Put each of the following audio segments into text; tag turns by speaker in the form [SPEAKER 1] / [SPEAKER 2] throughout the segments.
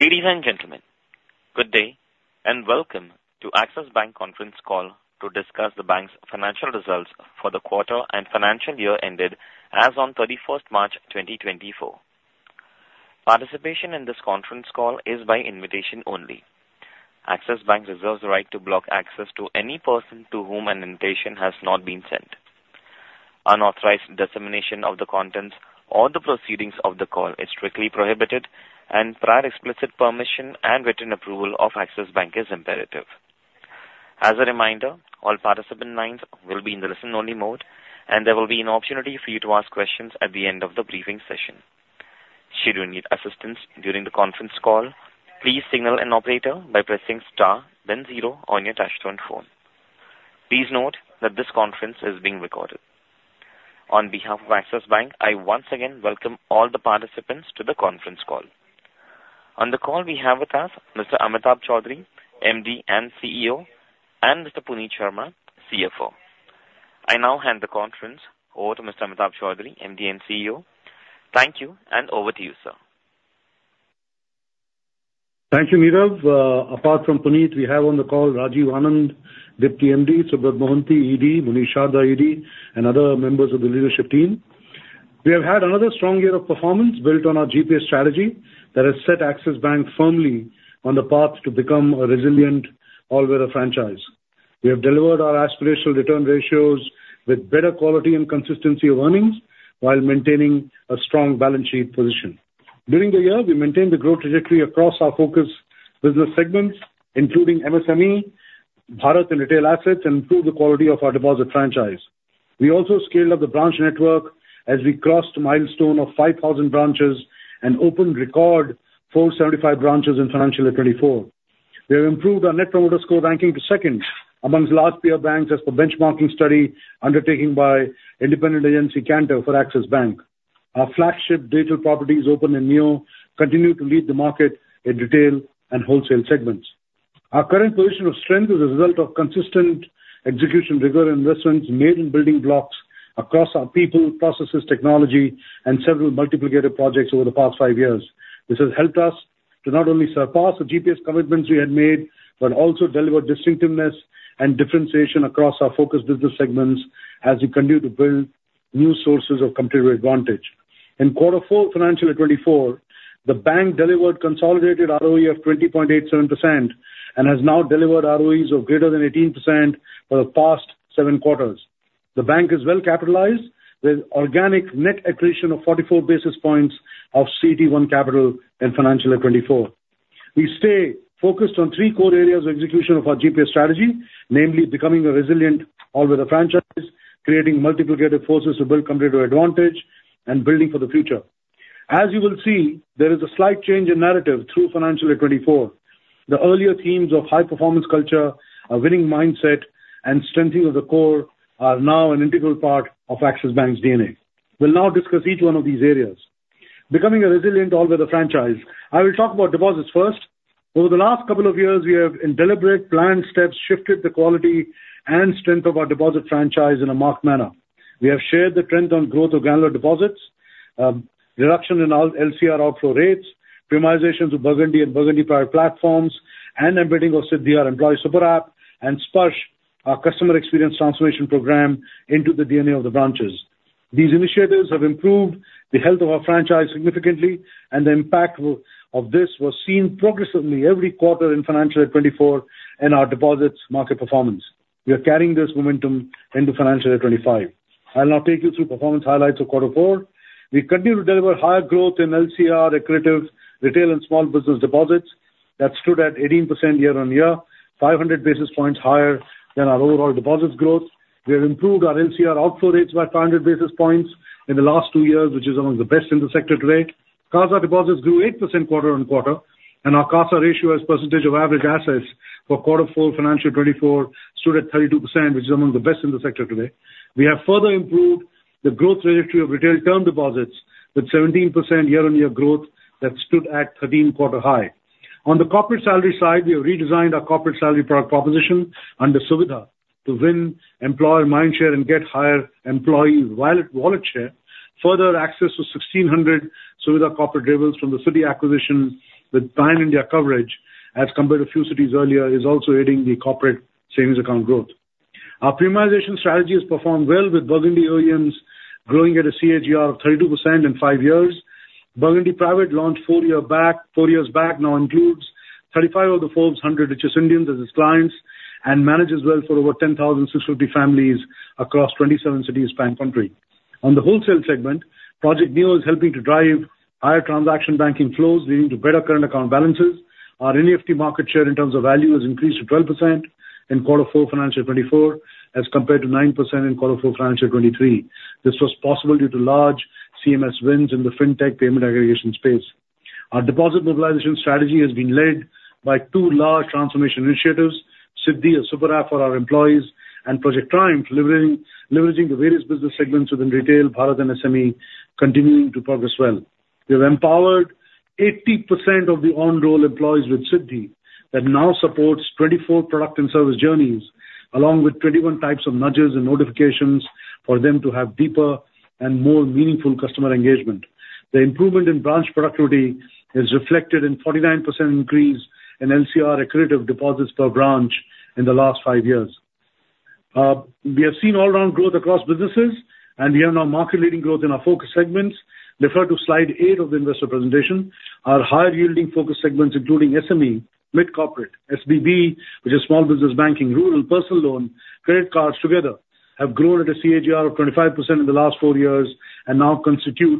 [SPEAKER 1] Ladies and gentlemen, good day and welcome to Axis Bank conference call to discuss the bank's financial results for the quarter and financial year ended as on 31st March 2024. Participation in this conference call is by invitation only. Axis Bank reserves the right to block access to any person to whom an invitation has not been sent. Unauthorized dissemination of the contents or the proceedings of the call is strictly prohibited and prior explicit permission and written approval of Axis Bank is imperative. As a reminder, all participant lines will be in the listen-only mode and there will be an opportunity for you to ask questions at the end of the briefing session. Should you need assistance during the conference call, please signal an operator by pressing star then zero on your touchscreen phone. Please note that this conference is being recorded. On behalf of Axis Bank, I once again welcome all the participants to the conference call. On the call we have with us Mr. Amitabh Chaudhry, MD and CEO, and Mr. Puneet Sharma, CFO. I now hand the conference over to Mr. Amitabh Chaudhry, MD and CEO. Thank you and over to you, sir.
[SPEAKER 2] Thank you, Neeraj. Apart from Puneet, we have on the call Rajiv Anand, Deputy MD, Subrat Mohanty, ED, Munish Sharda, ED, and other members of the leadership team. We have had another strong year of performance built on our GPS strategy that has set Axis Bank firmly on the path to become a resilient all-weather franchise. We have delivered our aspirational return ratios with better quality and consistency of earnings while maintaining a strong balance sheet position. During the year, we maintained the growth trajectory across our focus business segments including MSME, Bharat and retail assets, and improved the quality of our deposit franchise. We also scaled up the branch network as we crossed the milestone of 5,000 branches and opened record 475 branches in financial year 2024. We have improved our net promoter score ranking to second amongst Large Private Banks as per benchmarking study undertaken by independent agency Kantar for Axis Bank. Our flagship digital properties Open and NEO continue to lead the market in retail and wholesale segments. Our current position of strength is a result of consistent execution rigor and investments made in building blocks across our people, processes, technology, and several multiplicator projects over the past five years. This has helped us to not only surpass the GPS commitments we had made but also deliver distinctiveness and differentiation across our focus business segments as we continue to build new sources of competitive advantage. In quarter four financial year 2024, the bank delivered consolidated ROA of 20.87% and has now delivered ROEs of greater than 18% for the past seven quarters. The bank is well capitalized with organic net accretion of 44 basis points of CET1 capital in financial year 2024. We stay focused on three core areas of execution of our GPS strategy, namely becoming a resilient all-weather franchise, creating multiplicator forces to build competitive advantage, and building for the future. As you will see, there is a slight change in narrative through financial year 2024. The earlier themes of high-performance culture, a winning mindset, and strengthening of the core are now an integral part of Axis Bank's DNA. We'll now discuss each one of these areas. Becoming a resilient all-weather franchise, I will talk about deposits first. Over the last couple of years, we have in deliberate planned steps shifted the quality and strength of our deposit franchise in a marked manner. We have shared the trend on growth of granular deposits, reduction in LCR outflow rates, premiumization to Burgundy and Burgundy Private platforms, and embedding of SIDDHI Employee Super App and SPARSH, our customer experience transformation program, into the DNA of the branches. These initiatives have improved the health of our franchise significantly and the impact of this was seen progressively every quarter in financial year 2024 in our deposits market performance. We are carrying this momentum into financial year 2025. I'll now take you through performance highlights of quarter four. We continue to deliver higher growth in LCR accretive retail and small business deposits that stood at 18% year-on-year, 500 basis points higher than our overall deposits growth. We have improved our LCR outflow rates by 500 basis points in the last two years, which is among the best in the sector today. CASA deposits grew 8% quarter-on-quarter and our CASA ratio as percentage of average assets for quarter four financial year 2024 stood at 32%, which is among the best in the sector today. We have further improved the growth trajectory of retail term deposits with 17% year-on-year growth that stood at 13-quarter high. On the corporate salary side, we have redesigned our corporate salary product proposition under Suvidha to win employer mindshare and get higher employee wallet share. Further access to 1,600 Suvidha corporate payrolls from the Citi acquisition with Citi India coverage as compared to a few cities earlier is also aiding the corporate savings account growth. Our premiumization strategy has performed well with Burgundy AUMs growing at a CAGR of 32% in five years. Burgundy Private launched four years back now includes 35 of the Forbes 100 Richest Indians as its clients and manages wealth for over 10,650 families across 27 cities pan-country. On the wholesale segment, Project NEO is helping to drive higher transaction banking flows leading to better current account balances. Our NEFT market share in terms of value has increased to 12% in quarter four financial year 2024 as compared to 9% in quarter four financial year 2023. This was possible due to large CMS wins in the fintech payment aggregation space. Our deposit mobilization strategy has been led by two large transformation initiatives, SIDDHI Super App for our employees, and Project TRIUMPH, leveraging the various business segments within retail, Bharat and SME, continuing to progress well. We have empowered 80% of the on-roll employees with SIDDHI that now supports 24 product and service journeys along with 21 types of nudges and notifications for them to have deeper and more meaningful customer engagement. The improvement in branch productivity is reflected in a 49% increase in LCR accretive deposits per branch in the last five years. We have seen all-round growth across businesses and we have now market-leading growth in our focus segments. Refer to slide eight of the investor presentation. Our higher-yielding focus segments including SME, mid-corporate, SBB, which is small business banking, rural, personal loan, credit cards together have grown at a CAGR of 25% in the last four years and now constitute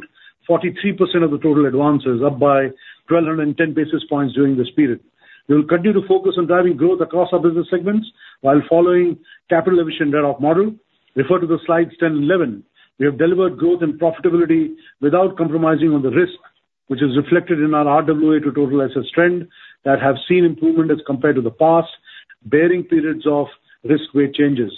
[SPEAKER 2] 43% of the total advances, up by 1,210 basis points during this period. We will continue to focus on driving growth across our business segments while following capital-efficient run-off model. Refer to the slides 10 and 11. We have delivered growth and profitability without compromising on the risk, which is reflected in our RWA to total assets trend that have seen improvement as compared to the past, barring periods of risk-weight changes.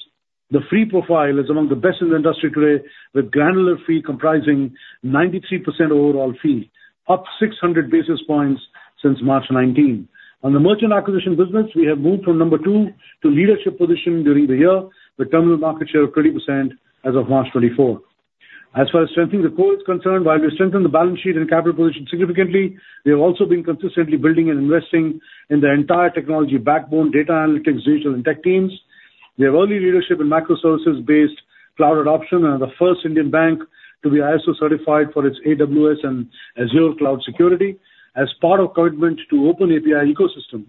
[SPEAKER 2] The fee profile is among the best in the industry today with granular fee comprising 93% overall fee, up 600 basis points since March 2019. On the merchant acquisition business, we have moved from number two to leadership position during the year with merchant market share of 30% as of March 2024. As far as strengthening the core is concerned, while we strengthen the balance sheet and capital position significantly, we have also been consistently building and investing in the entire technology backbone, data analytics, digital, and tech teams. We have early leadership in microservices-based cloud adoption and are the first Indian bank to be ISO certified for its AWS and Azure Cloud Security. As part of commitment to the OpenAPI ecosystem,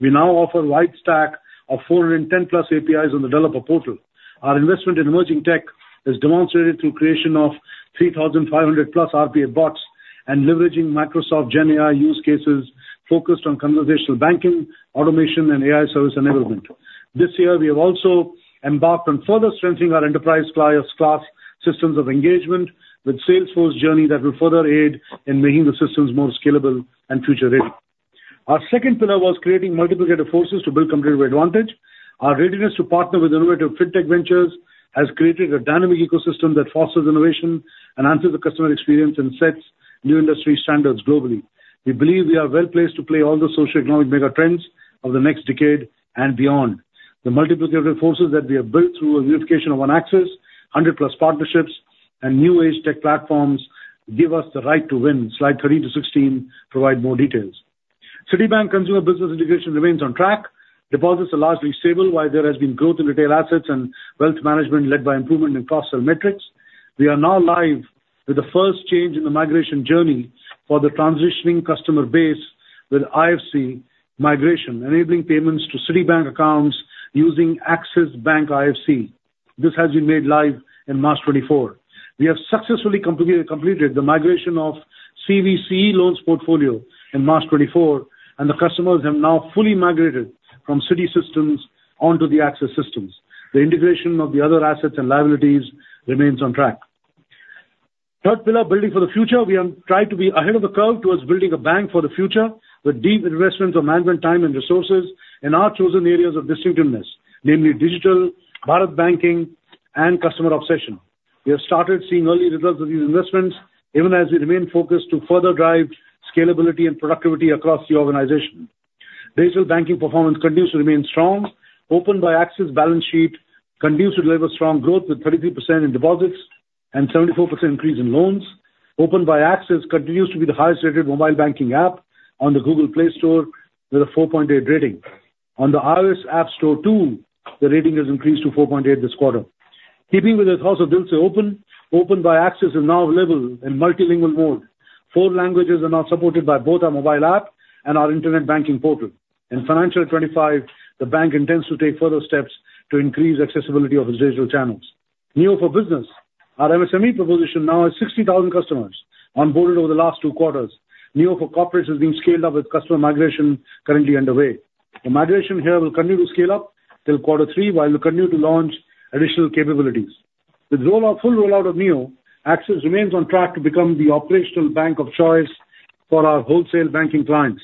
[SPEAKER 2] we now offer a wide stack of 410+ APIs on the developer portal. Our investment in emerging tech is demonstrated through creation of 3,500+ RPA bots and leveraging Microsoft GenAI use cases focused on conversational banking, automation, and AI service enablement. This year, we have also embarked on further strengthening our enterprise-class systems of engagement with Salesforce Journey that will further aid in making the systems more scalable and future-ready. Our second pillar was creating multiplier forces to build competitive advantage. Our readiness to partner with innovative fintech ventures has created a dynamic ecosystem that fosters innovation and answers the customer experience and sets new industry standards globally. We believe we are well placed to play all the socioeconomic mega-trends of the next decade and beyond. The multiplier forces that we have built through a unification of one Axis, 100+ partnerships, and new-age tech platforms give us the right to win. Slides 16-30 provide more details. Citibank consumer business integration remains on track. Deposits are largely stable while there has been growth in retail assets and wealth management led by improvement in cross-sell metrics. We are now live with the first change in the migration journey for the transitioning customer base with IFSC migration, enabling payments to Citibank accounts using Axis Bank IFSC. This has been made live in March 2024. We have successfully completed the migration of CVCE loans portfolio in March 2024 and the customers have now fully migrated from Citi Systems onto the Axis Systems. The integration of the other assets and liabilities remains on track. Third pillar, building for the future. We have tried to be ahead of the curve towards building a bank for the future with deep investments of management time and resources in our chosen areas of distinctiveness, namely Digital, Bharat Banking, and customer obsession. We have started seeing early results of these investments even as we remain focused to further drive scalability and productivity across the organization. Digital banking performance continues to remain strong. Open by Axis Bank balance sheet continues to deliver strong growth with 33% in deposits and 74% increase in loans. Open by Axis Bank continues to be the highest-rated mobile banking app on the Google Play Store with a 4.8 rating. On the iOS App Store too, the rating has increased to 4.8 this quarter. Keeping with the thoughts of this year, open by Axis is now available in multilingual mode. Four languages are now supported by both our mobile app and our internet banking portal. In financial year 2025, the bank intends to take further steps to increase accessibility of its digital channels. NEO for business. Our MSME proposition now has 60,000 customers onboarded over the last two quarters. NEO for corporates has been scaled up with customer migration currently underway. The migration here will continue to scale up till quarter three while we continue to launch additional capabilities. With full rollout of NEO, Axis remains on track to become the operational bank of choice for our wholesale banking clients.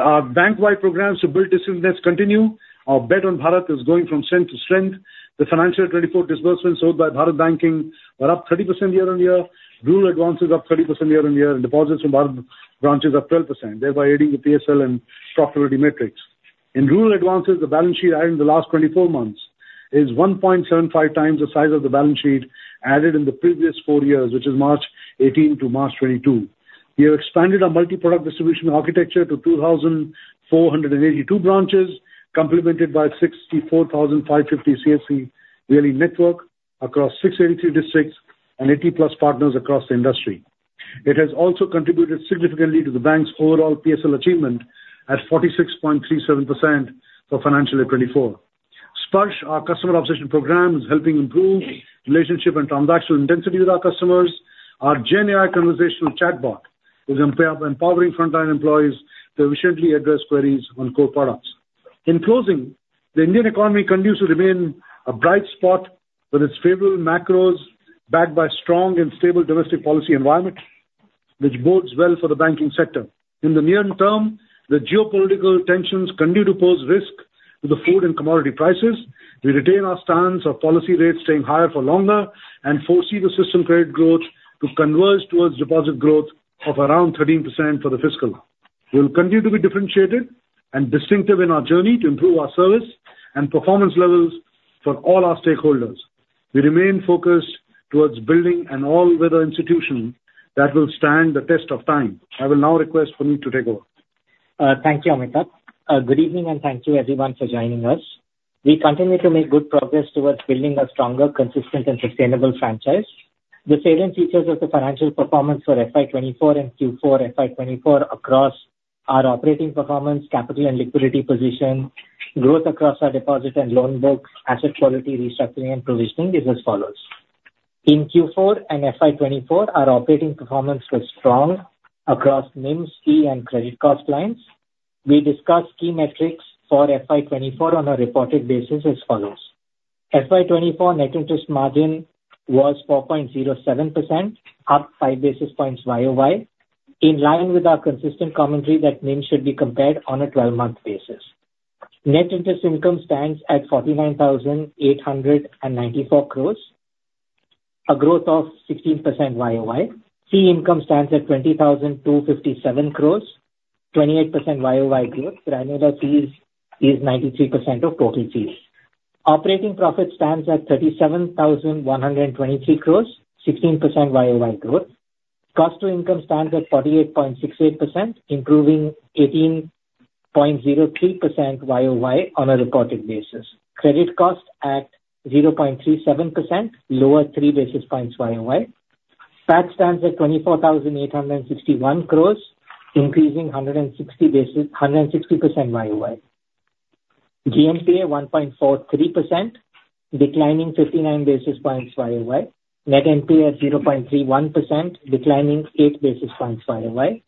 [SPEAKER 2] Our bank-wide programs to build distinctiveness continue. Our bet on Bharat is going from strength to strength. The financial year 2024 disbursements owed by Bharat banking are up 30% year-on-year. Rural advances are up 30% year-over-year and deposits from Bharat branches are up 12%, thereby aiding the PSL and profitability metrics. In rural advances, the balance sheet added in the last 24 months is 1.75x the size of the balance sheet added in the previous four years, which is March 2018 to March 2022. We have expanded our multi-product distribution architecture to 2,482 branches, complemented by a 64,550 CSC VLE network across 683 districts and 80+ partners across the industry. It has also contributed significantly to the bank's overall PSL achievement at 46.37% for financial year 2024. SPARSH, our customer obsession program, is helping improve relationship and transactional intensity with our customers. Our GenAI conversational chatbot is empowering frontline employees to efficiently address queries on core products. In closing, the Indian economy continues to remain a bright spot with its favorable macros backed by a strong and stable domestic policy environment, which bodes well for the banking sector. In the near term, the geopolitical tensions continue to pose risk to the food and commodity prices. We retain our stance of policy rates staying higher for longer and foresee the system credit growth to converge towards deposit growth of around 13% for the fiscal. We will continue to be differentiated and distinctive in our journey to improve our service and performance levels for all our stakeholders. We remain focused towards building an all-weather institution that will stand the test of time. I will now request Puneet to take over.
[SPEAKER 3] Thank you, Amitabh. Good evening and thank you, everyone, for joining us. We continue to make good progress towards building a stronger, consistent, and sustainable franchise. The salient features of the financial performance forFY 2024 and Q4FY 2024 across our operating performance, capital and liquidity position, growth across our deposit and loan books, asset quality restructuring, and provisioning is as follows. In Q4 andFY 2024, our operating performance was strong across NIMS, opex, and credit costs. We discussed key metrics forFY 2024 on a reported basis as follows. FY 2024 net interest margin was 4.07%, up five basis points YOY, in line with our consistent commentary that NIMS should be compared on a 12-month basis. Net interest income stands at 49,894 crore, a growth of 16% YOY. Fee income stands at 20,257 crore, 28% YOY growth. Granular fees is 93% of total fees. Operating profit stands at 37,123 crore, 16% YOY growth. Cost-to-income stands at 48.68%, improving 18.03% YOY on a reported basis. Credit cost at 0.37%, lower three basis points YOY. PAT stands at 24,861 crore, increasing 160% YOY. GNPA 1.43%, declining 59 basis points YOY. Net NPA at 0.31%, declining eight basis points YOY.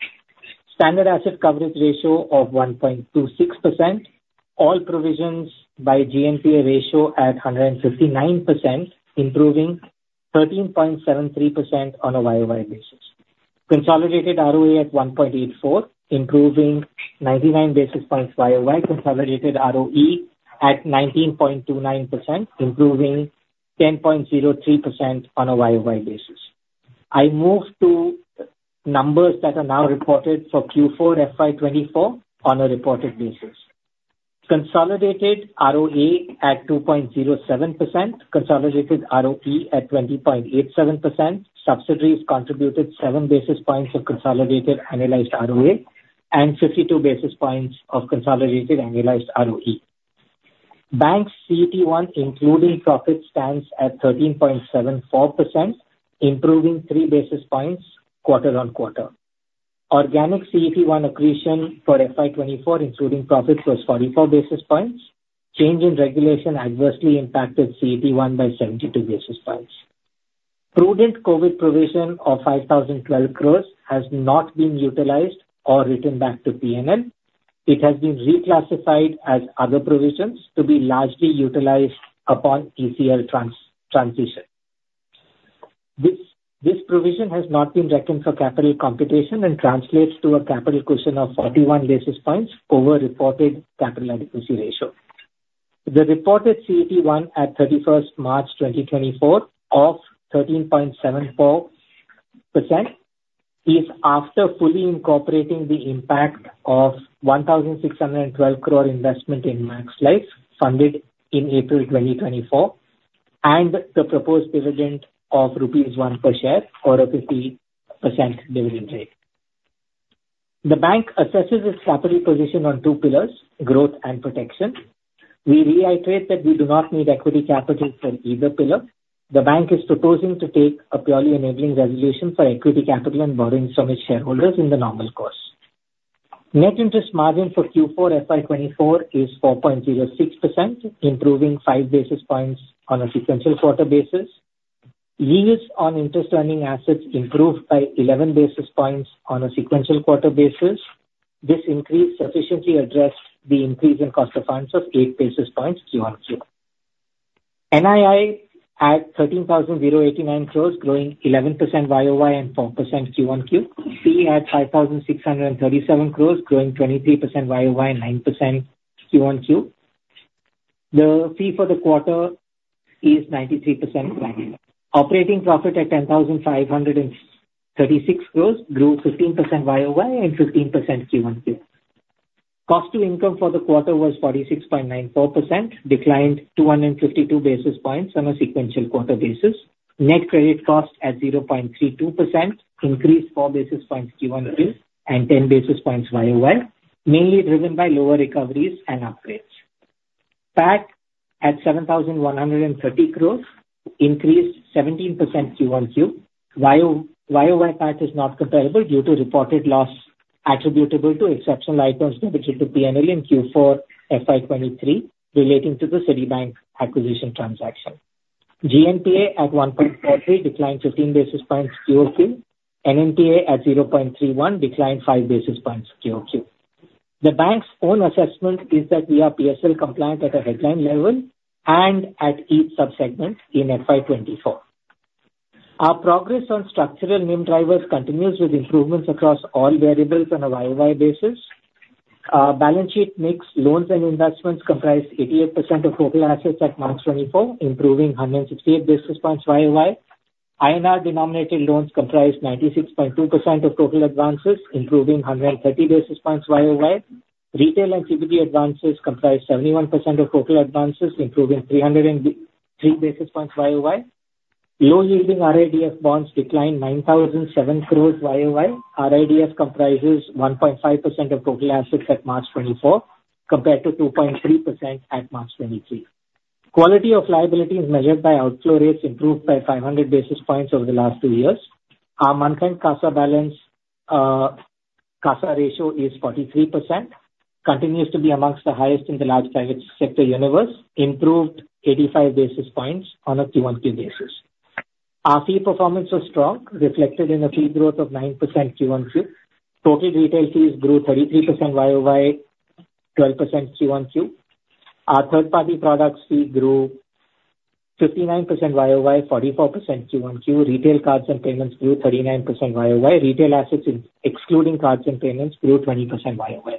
[SPEAKER 3] Standard asset coverage ratio of 1.26%. All provisions by GNPA ratio at 159%, improving 13.73% on a YOY basis. Consolidated ROE at 1.84, improving 99 basis points YOY. Consolidated ROE at 19.29%, improving 10.03% on a YOY basis. I move to numbers that are now reported for Q4 FY 2024 on a reported basis. Consolidated ROE at 2.07%. Consolidated ROE at 20.87%. Subsidiaries contributed 7 basis points of consolidated annualized ROE and 52 basis points of consolidated annualized ROE. Bank's CET1 including profit stands at 13.74%, improving three basis points quarter-on-quarter. Organic CET1 accretion for FY 2024 including profit was 44 basis points. Change in regulation adversely impacted CET1 by 72 basis points. Prudent COVID provision of 5,012 crore has not been utilized or written back to P&L. It has been reclassified as other provisions to be largely utilized upon ECL transition. This provision has not been reckoned for capital computation and translates to a capital cushion of 41 basis points over reported capital adequacy ratio. The reported CET1 at 31st March 2024 of 13.74% is after fully incorporating the impact of 1,612 crore investment in Max Life's funded in April 2024 and the proposed dividend of rupees 1 per share or a 50% dividend rate. The bank assesses its capital position on two pillars, growth and protection. We reiterate that we do not need equity capital for either pillar. The bank is proposing to take a purely enabling resolution for equity capital and borrowing from its shareholders in the normal course. Net interest margin for Q4FY 2024 is 4.06%, improving five basis points on a sequential quarter basis. Yields on interest-earning assets improved by 11 basis points on a sequential quarter basis. This increase sufficiently addressed the increase in cost of funds of eight basis points Q on Q. NII at 13,089 crore, growing 11% YOY and 4% Q on Q. Fee at 5,637 crore, growing 23% YOY and 9% Q on Q. The fee for the quarter is 93% planned. Operating profit at 10,536 crore grew 15% YOY and 15% Q on Q. Cost to income for the quarter was 46.94%, declined 252 basis points on a sequential quarter basis. Net credit cost at 0.32% increased four basis points Q on Q and 10 basis points YOY, mainly driven by lower recoveries and upgrades. PAT at 7,130 crore increased 17% Q on Q. YOY PAT is not comparable due to reported loss attributable to exceptional items debited to P&L in Q4FY 2023 relating to the Citibank acquisition transaction. GNPA at 1.43 declined 15 basis points Q on Q. NNPA at 0.31 declined five basis points Q on Q. The bank's own assessment is that we are PSL compliant at a headline level and at each subsegment inFY 2024. Our progress on structural NIM drivers continues with improvements across all variables on a YOY basis. Balance sheet mix loans and investments comprised 88% of total assets at March 2024, improving 168 basis points YOY. INR denominated loans comprised 96.2% of total advances, improving 130 basis points YOY. Retail and CBG advances comprised 71% of total advances, improving 303 basis points YOY. Low-yielding RIDF bonds declined 9,007 crore YOY. RIDF comprises 1.5% of total assets at March 2024 compared to 2.3% at March 2023. Quality of liabilities measured by outflow rates improved by 500 basis points over the last two years. Our month-end CASA balance CASA ratio is 43%, continues to be among the highest in the large private sector universe, improved 85 basis points on a Q on Q basis. Our fee performance was strong, reflected in a fee growth of 9% Q on Q. Total retail fees grew 33% YOY, 12% Q on Q. Our third-party products fee grew 59% YOY, 44% Q on Q. Retail cards and payments grew 39% YOY. Retail assets excluding cards and payments grew 20% YOY.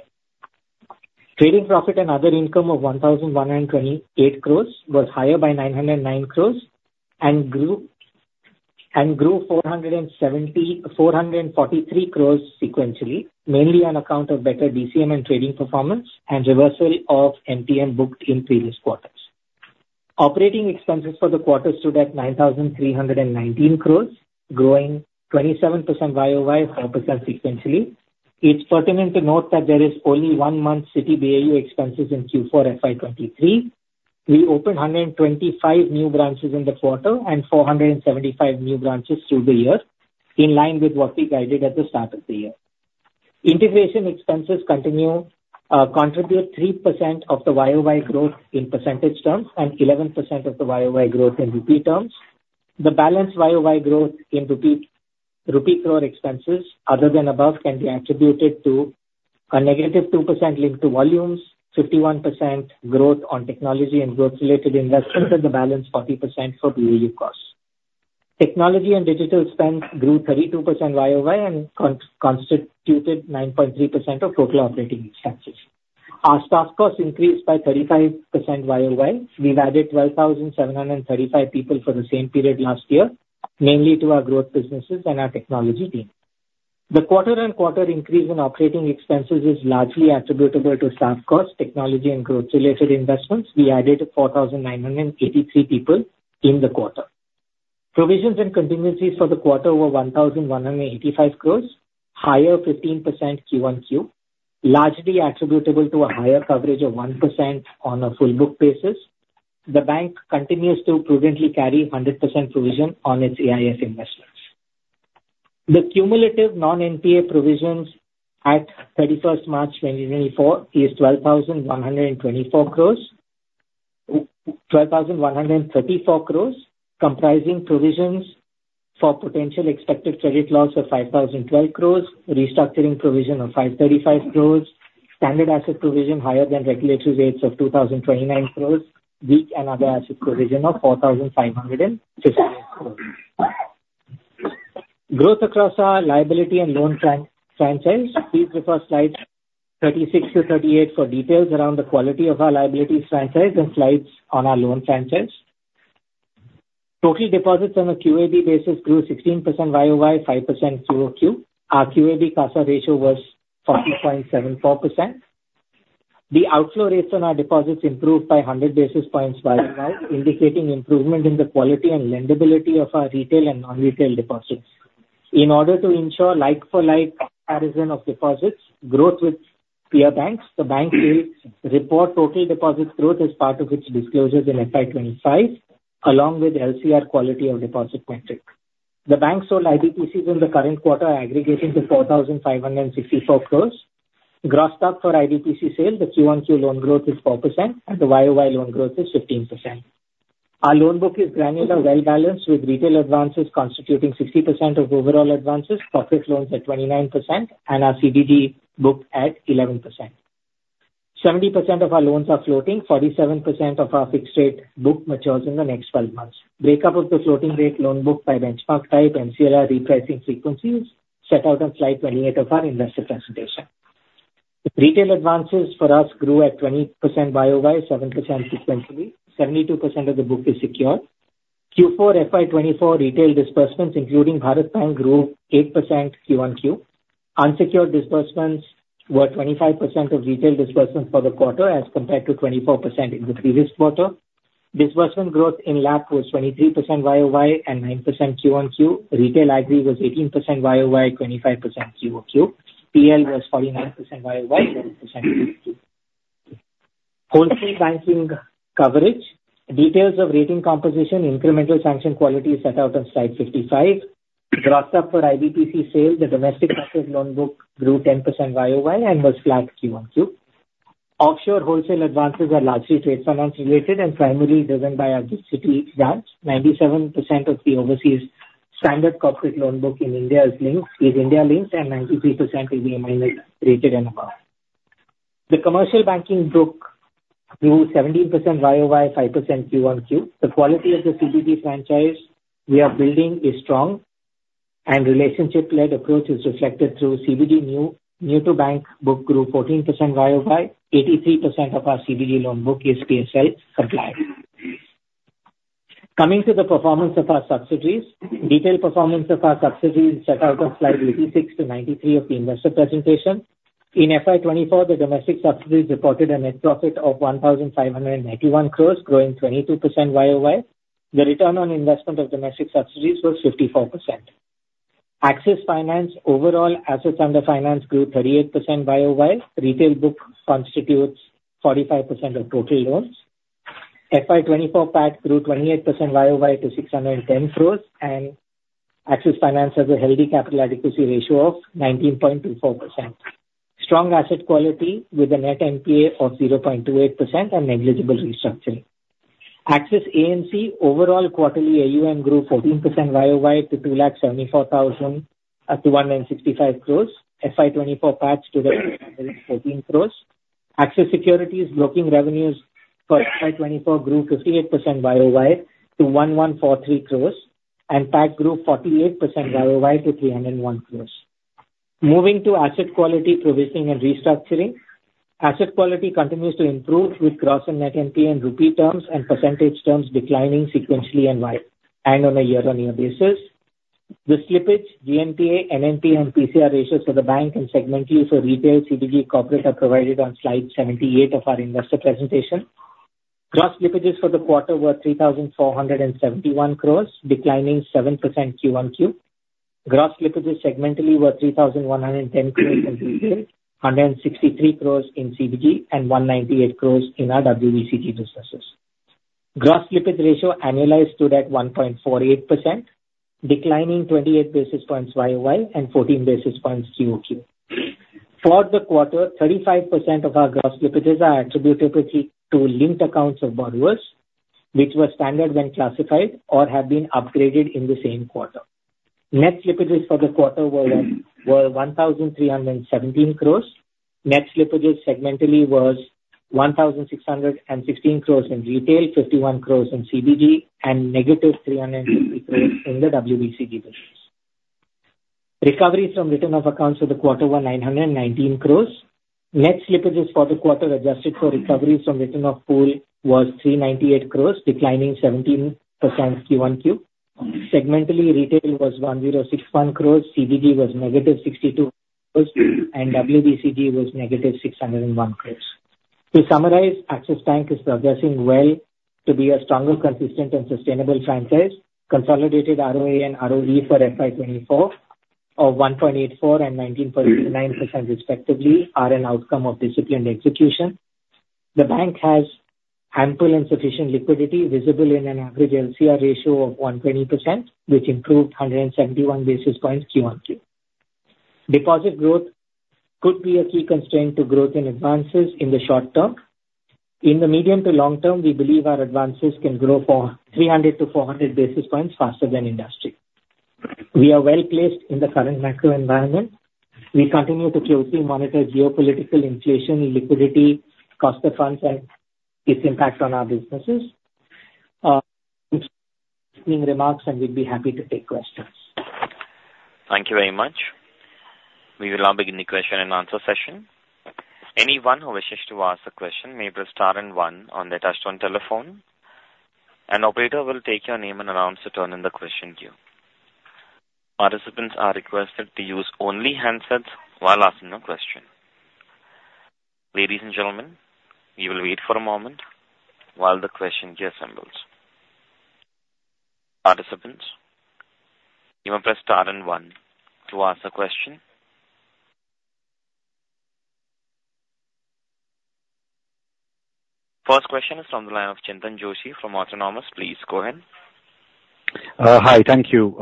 [SPEAKER 3] Trading profit and other income of 1,128 crores was higher by 909 crores and grew 443 crores sequentially, mainly on account of better DCM and trading performance and reversal of MTM booked in previous quarters. Operating expenses for the quarter stood at 9,319 crores, growing 27% YOY, 4% sequentially. It's pertinent to note that there is only one month Citi BAU expenses in Q4FY 2023. We opened 125 new branches in the quarter and 475 new branches through the year, in line with what we guided at the start of the year. Integration expenses continue to contribute 3% of the YOY growth in percentage terms and 11% of the YOY growth in rupee terms. The balanced YOY growth in rupee crore expenses, other than above, can be attributed to a -2% link to volumes, 51% growth on technology and growth-related investments, and the balanced 40% for BAU costs. Technology and digital spends grew 32% YOY and constituted 9.3% of total operating expenses. Our staff costs increased by 35% YOY. We've added 12,735 people for the same period last year, mainly to our growth businesses and our technology team. The quarter-on-quarter increase in operating expenses is largely attributable to staff costs, technology, and growth-related investments. We added 4,983 people in the quarter. Provisions and contingencies for the quarter were 1,185 crore, higher 15% Q on Q, largely attributable to a higher coverage of 1% on a full-book basis. The bank continues to prudently carry 100% provision on its AIF investments. The cumulative non-NPA provisions at 31st March 2024 is 12,134 crore, comprising provisions for potential expected credit loss of 5,012 crore, restructuring provision of 535 crore, standard asset provision higher than regulatory rates of 2,029 crore, weak and other asset provision of 4,558 crore. Growth across our liability and loan franchise, please refer slides 36-38 for details around the quality of our liabilities franchise and slides on our loan franchise. Total deposits on a QAB basis grew 16% YOY, 5% Q on Q. Our QAB CASA ratio was 40.74%. The outflow rates on our deposits improved by 100 basis points YOY, indicating improvement in the quality and lendability of our retail and non-retail deposits. In order to ensure like-for-like comparison of deposits, growth with peer banks, the bank will report total deposit growth as part of its disclosures inFY 2025 along with LCR quality of deposit metric. The bank sold IBPCs in the current quarter aggregating to 4,564 crore. Gross stock for IBPC sale, the Q on Q loan growth is 4%, and the YOY loan growth is 15%. Our loan book is granular, well-balanced with retail advances constituting 60% of overall advances, corporate loans at 29%, and our CBD book at 11%. 70% of our loans are floating. 47% of our fixed-rate book matures in the next 12 months. Breakup of the floating-rate loan book by benchmark type, MCLR, repricing frequencies set out on slide 28 of our investor presentation. Retail advances for us grew at 20% YOY, 7% sequentially. 72% of the book is secured. Q4 FY 2024, retail disbursements, including Bharat Banking, grew 8% Q on Q. Unsecured disbursements were 25% of retail disbursements for the quarter as compared to 24% in the previous quarter. Disbursement growth in LAP was 23% YOY and 9% Q on Q. Retail agri was 18% YOY, 25% Q on Q. PL was 49% YOY, 11% Q on Q. Wholesale banking coverage, details of rating composition, incremental sanction quality set out on slide 55. Gross stock for IBPC sale, the domestic corporate loan book grew 10% YOY and was flat Q on Q. Offshore wholesale advances are largely trade finance-related and primarily driven by our GIFT City branch. 97% of the overseas standard corporate loan book in India is India-linked, and 93% is BMI-rated and above. The commercial banking book grew 17% YOY, 5% Q on Q. The quality of the CBD franchise we are building is strong, and relationship-led approach is reflected through CBD new-to-bank book grew 14% YOY. 83% of our CBD loan book is PSL compliant. Coming to the performance of our subsidiaries, detailed performance of our subsidiaries set out on slide 86-93 of the investor presentation. InFY 2024, the domestic subsidiaries reported a net profit of 1,591 crores, growing 22% YOY. The return on investment of domestic subsidiaries was 54%. Axis Finance overall assets under finance grew 38% YOY. Retail book constitutes 45% of total loans. FY 2024 PAT grew 28% YOY to 610 crores, and Axis Finance has a healthy capital adequacy ratio of 19.24%. Strong asset quality with a net NPA of 0.28% and negligible restructuring. Axis AMC overall quarterly AUM grew 14% YOY to INR 2,74,165 crores. FY 2024 PAT stood at INR 414 crores. Axis Securities broking revenues forFY 2024 grew 58% YOY to 1,143 crores, and PAT grew 48% YOY to 301 crores. Moving to asset quality provisioning and restructuring, asset quality continues to improve with gross and net NPA in Rupee terms and percentage terms declining sequentially and on a year-on-year basis. The slippage, GNPA, NNPA, and PCR ratios for the bank and segmentally for retail, CBD, corporate are provided on slide 78 of our investor presentation. Gross slippages for the quarter were 3,471 crores, declining 7% Q on Q. Gross slippages segmentally were 3,110 crores in retail, 163 crores in CBD, and 198 crores in our WBCG businesses. Gross slippage ratio annualized stood at 1.48%, declining 28 basis points YOY and 14 basis points Q on Q. For the quarter, 35% of our gross slippages are attributable to linked accounts of borrowers, which were standard when classified or have been upgraded in the same quarter. Net slippages for the quarter were 1,317 crores. Net slippages segmentally were 1,616 crores in retail, 51 crores in CBD, and -350 crores in the WBCG business. Recovery from return of accounts for the quarter were 919 crores. Net slippages for the quarter adjusted for recovery from return of pool was 398 crores, declining 17% Q on Q. Segmentally, retail was 1,061 crores, CBD was -62 crores, and WBCG was -601 crores. To summarize, Axis Bank is progressing well to be a stronger, consistent, and sustainable franchise. Consolidated ROA and ROE forFY 2024 of 1.84 and 19.9% respectively are an outcome of disciplined execution. The bank has ample and sufficient liquidity visible in an average LCR ratio of 120%, which improved 171 basis points Q on Q. Deposit growth could be a key constraint to growth in advances in the short term. In the medium to long term, we believe our advances can grow for 300-400 basis points faster than industry. We are well-placed in the current macro environment. We continue to closely monitor geopolitical inflation, liquidity, cost of funds, and its impact on our businesses. Thanks for listening to remarks, and we'd be happy to take questions.
[SPEAKER 1] Thank you very much. We will now begin the question-and-answer session. Anyone who wishes to ask a question may press star and one on their touch-tone telephone. An operator will take your name and announce the turn in the question queue. Participants are requested to use only handsets while asking a question. Ladies and gentlemen, we will wait for a moment while the question queue assembles. Participants, you may press star and one to ask a question. First question is from the line of Chintan Joshi from Autonomous. Please go ahead.
[SPEAKER 4] Hi. Thank you.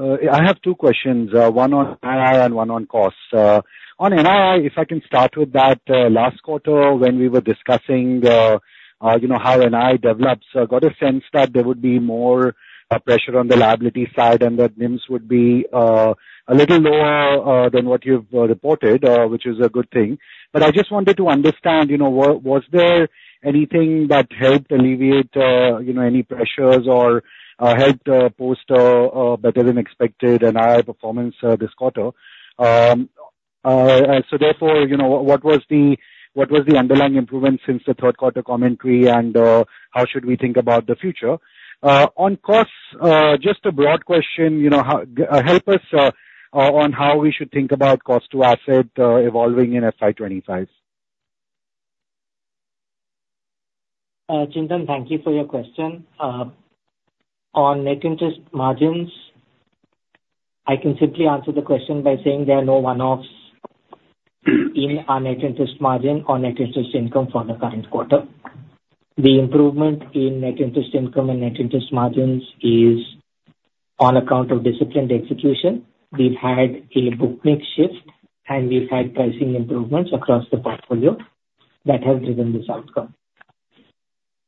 [SPEAKER 4] I have two questions, one on NII and one on costs. On NII, if I can start with that, last quarter when we were discussing how NII develops, I got a sense that there would be more pressure on the liability side and that NIMS would be a little lower than what you've reported, which is a good thing. But I just wanted to understand, was there anything that helped alleviate any pressures or helped post a better-than-expected NII performance this quarter? So, therefore, what was the underlying improvement since the third-quarter commentary, and how should we think about the future? On costs, just a broad question, help us on how we should think about cost-to-asset evolving inFY 2025.
[SPEAKER 5] Chintan, thank you for your question. On net interest margins, I can simply answer the question by saying there are no one-offs in our net interest margin or net interest income for the current quarter. The improvement in net interest income and net interest margins is on account of disciplined execution. We've had a book mix shift, and we've had pricing improvements across the portfolio that have driven this outcome.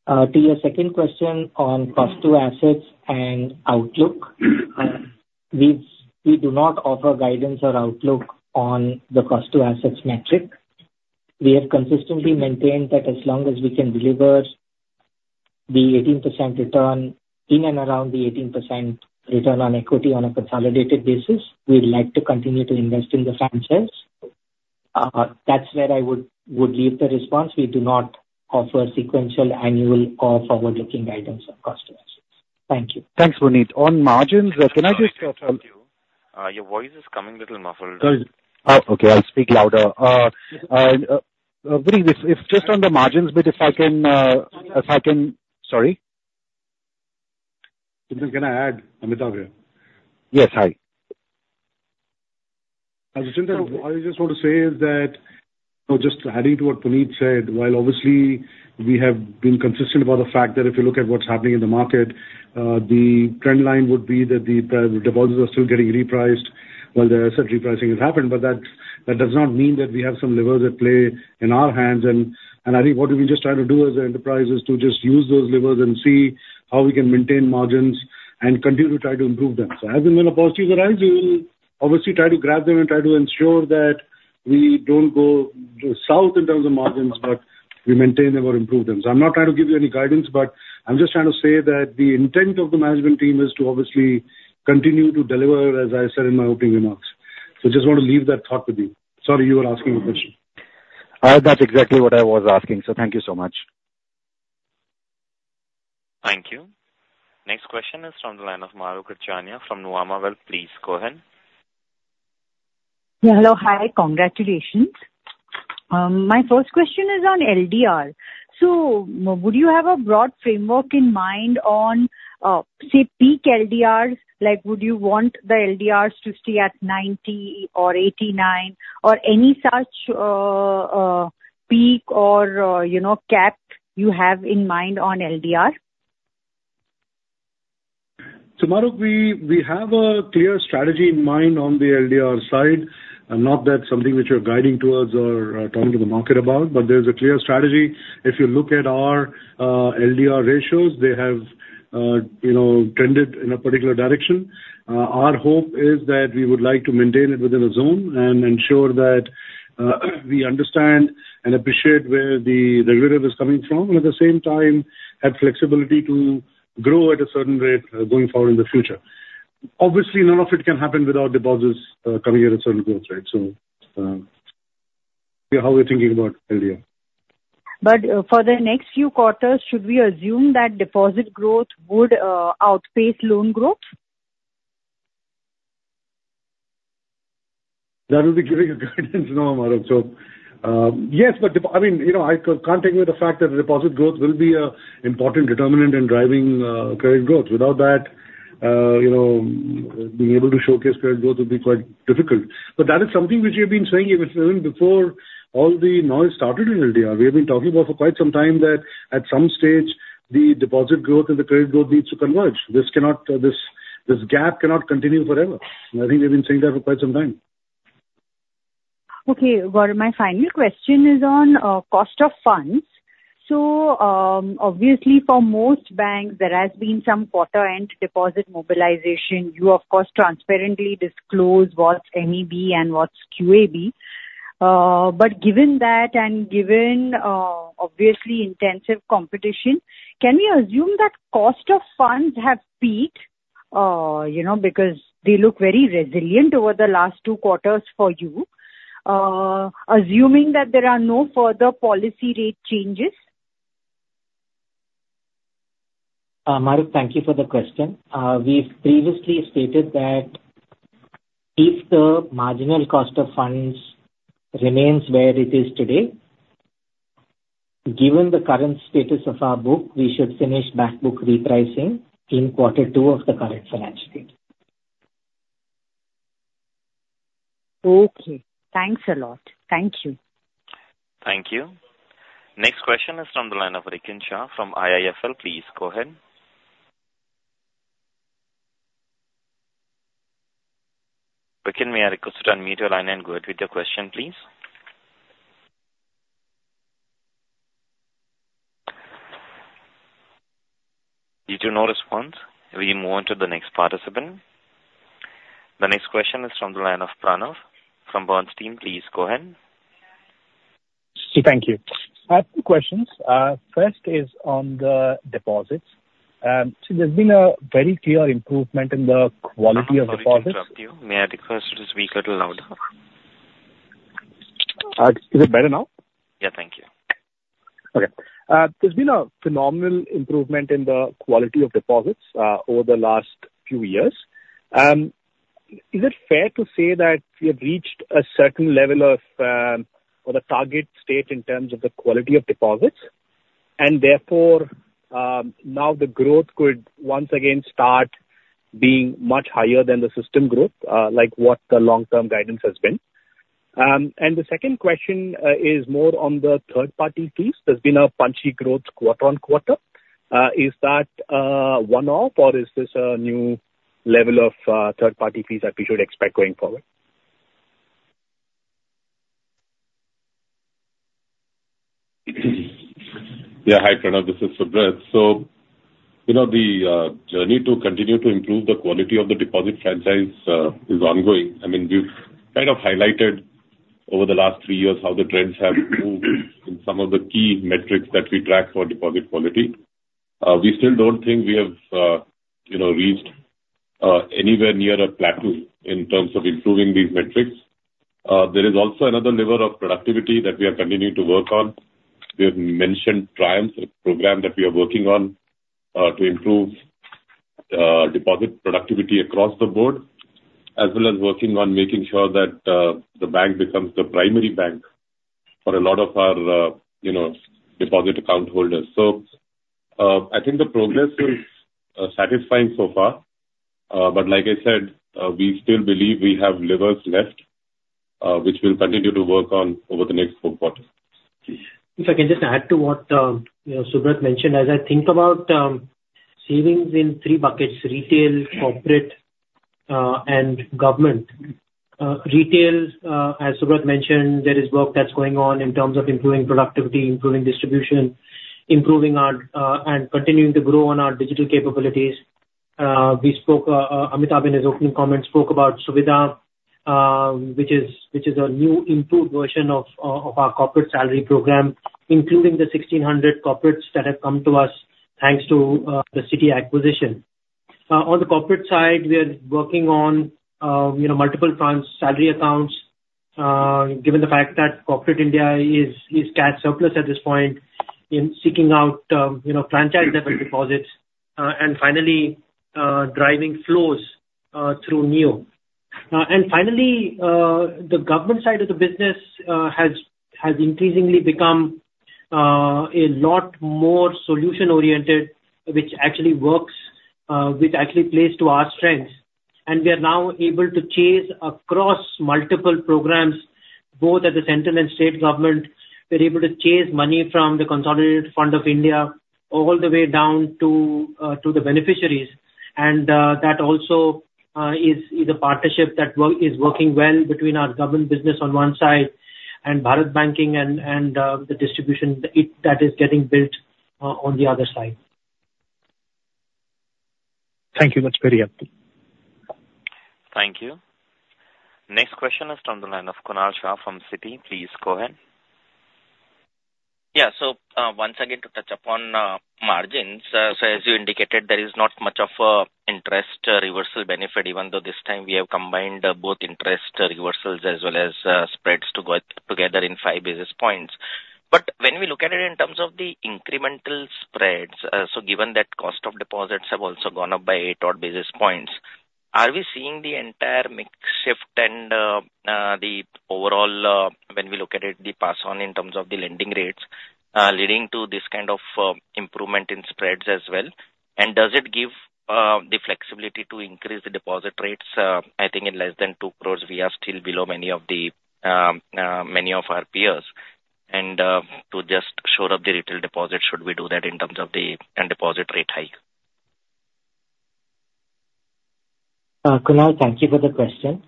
[SPEAKER 5] To your second question on cost-to-assets and outlook, we do not offer guidance or outlook on the cost-to-assets metric. We have consistently maintained that as long as we can deliver the 18% return in and around the 18% return on equity on a consolidated basis, we'd like to continue to invest in the franchise. That's where I would leave the response. We do not offer sequential annual or forward-looking guidance on cost-to-assets. Thank you.
[SPEAKER 4] Thanks, Munish. On margins, can I just. Thank you.
[SPEAKER 1] Your voice is coming a little muffled.
[SPEAKER 4] Okay. I'll speak louder. Munish, just on the margins bit, if I can, sorry?
[SPEAKER 2] Chintan, can I add? Amitabh here?
[SPEAKER 4] Yes.
[SPEAKER 2] Hi. Chintan, all I just want to say is that just adding to what Munish said, while obviously we have been consistent about the fact that if you look at what's happening in the market, the trendline would be that the deposits are still getting repriced while the asset repricing has happened. But that does not mean that we have some levers at play in our hands. And I think what we've been just trying to do as an enterprise is to just use those levers and see how we can maintain margins and continue to try to improve them. So as the opportunities arise, we will obviously try to grab them and try to ensure that we don't go south in terms of margins, but we maintain them or improve them. So I'm not trying to give you any guidance, but I'm just trying to say that the intent of the management team is to obviously continue to deliver, as I said in my opening remarks. So just want to leave that thought with you. Sorry, you were asking a question.
[SPEAKER 4] That's exactly what I was asking. So thank you so much. Thank you.
[SPEAKER 1] Next question is from the line of Mahrukh Adajania from Nuvama Wealth. Please go ahead.
[SPEAKER 6] Yeah. Hello. Hi. Congratulations. My first question is on LDR. So would you have a broad framework in mind on, say, peak LDRs? Would you want the LDRs to stay at 90 or 89 or any such peak or cap you have in mind on LDR?
[SPEAKER 2] So Mahrukh, we have a clear strategy in mind on the LDR side. No, that's something which we're guiding towards or talking to the market about, but there's a clear strategy. If you look at our LDR ratios, they have trended in a particular direction. Our hope is that we would like to maintain it within a zone and ensure that we understand and appreciate where the revenue is coming from and at the same time have flexibility to grow at a certain rate going forward in the future. Obviously, none of it can happen without deposits coming at a certain growth rate. So how we're thinking about LDR.
[SPEAKER 6] But for the next few quarters, should we assume that deposit growth would outpace loan growth?
[SPEAKER 2] That would be giving you guidance now, Mahruhk. So yes, but I mean, I can't take away the fact that deposit growth will be an important determinant in driving credit growth. Without that, being able to showcase credit growth would be quite difficult. But that is something which we have been saying even before all the noise started in LDR. We have been talking about for quite some time that at some stage, the deposit growth and the credit growth needs to converge. This gap cannot continue forever. And I think we've been saying that for quite some time.
[SPEAKER 6] Okay. Well, my final question is on cost of funds.
[SPEAKER 2] So obviously, for most banks, there has been some quarter-end deposit mobilization. You, of course, transparently disclose what's MEB and what's QAB. But given that and given, obviously, intensive competition, can we assume that cost of funds have peaked because they look very resilient over the last two quarters for you, assuming that there are no further policy rate changes?
[SPEAKER 3] Maru, thank you for the question. We've previously stated that if the marginal cost of funds remains where it is today, given the current status of our book, we should finish backbook repricing in quarter two of the current financial year.
[SPEAKER 6] Okay. Thanks a lot.
[SPEAKER 3] Thank you.
[SPEAKER 1] Thank you. Next question is from the line of Rikin Shah from IIFL. Please go ahead. Rikin, may I request you to unmute your line and go ahead with your question, please? Due to no response, we move on to the next participant. The next question is from the line of Pranav from Bernstein. Please go ahead.
[SPEAKER 7] See, thank you. I have two questions. First is on the deposits. See, there's been a very clear improvement in the quality of deposits.
[SPEAKER 1] Sorry, I interrupt you. May I request you to speak a little louder?
[SPEAKER 7] Is it better now?
[SPEAKER 1] Yeah.
[SPEAKER 7] Thank you. Okay. There's been a phenomenal improvement in the quality of deposits over the last few years. Is it fair to say that we have reached a certain level or the target state in terms of the quality of deposits, and therefore, now the growth could once again start being much higher than the system growth, like what the long-term guidance has been? And the second question is more on the third-party fees. There's been a punchy growth quarter-on-quarter. Is that one-off, or is this a new level of third-party fees that we should expect going forward?
[SPEAKER 8] Yeah. Hi, Pranav. This is Subrat. So the journey to continue to improve the quality of the deposit franchise is ongoing. I mean, we've kind of highlighted over the last three years how the trends have moved in some of the key metrics that we track for deposit quality. We still don't think we have reached anywhere near a plateau in terms of improving these metrics. There is also another lever of productivity that we are continuing to work on. We have mentioned TRIUMPH, a program that we are working on to improve deposit productivity across the board, as well as working on making sure that the bank becomes the primary bank for a lot of our deposit account holders. So I think the progress is satisfying so far. But like I said, we still believe we have levers left, which we'll continue to work on over the next four quarters.
[SPEAKER 3] If I can just add to what Subrat mentioned, as I think about savings in three buckets: retail, corporate, and government. Retail, as Subrat mentioned, there is work that's going on in terms of improving productivity, improving distribution, and continuing to grow on our digital capabilities. Amitabh in his opening comment spoke about Suvidha, which is a new improved version of our corporate salary program, including the 1,600 corporates that have come to us thanks to the Citi acquisition. On the corporate side, we are working on multiple funds' salary accounts, given the fact that corporate India is cash surplus at this point, in seeking out franchise-level deposits, and finally, driving flows through NEO. Finally, the government side of the business has increasingly become a lot more solution-oriented, which actually plays to our strengths. We are now able to chase across multiple programs, both at the central and state government. We're able to chase money from the Consolidated Fund of India all the way down to the beneficiaries. That also is a partnership that is working well between our government business on one side and Bharat Banking and the distribution that is getting built on the other side.
[SPEAKER 7] Thank you much, Piran.
[SPEAKER 1] Thank you. Next question is from the line of Kunal Shah from Citi. Please go ahead.
[SPEAKER 9] Yeah. So once again, to touch upon margins, so as you indicated, there is not much of an interest reversal benefit, even though this time we have combined both interest reversals as well as spreads together in five basis points. But when we look at it in terms of the incremental spreads, so given that cost of deposits have also gone up by eight-odd basis points, are we seeing the entire mix shift and the overall, when we look at it, the pass-on in terms of the lending rates leading to this kind of improvement in spreads as well? And does it give the flexibility to increase the deposit rates? I think in less than 2 crore, we are still below many of our peers. And to just shore up the retail deposit, should we do that in terms of the deposit rate hike?
[SPEAKER 3] Kunal, thank you for the question.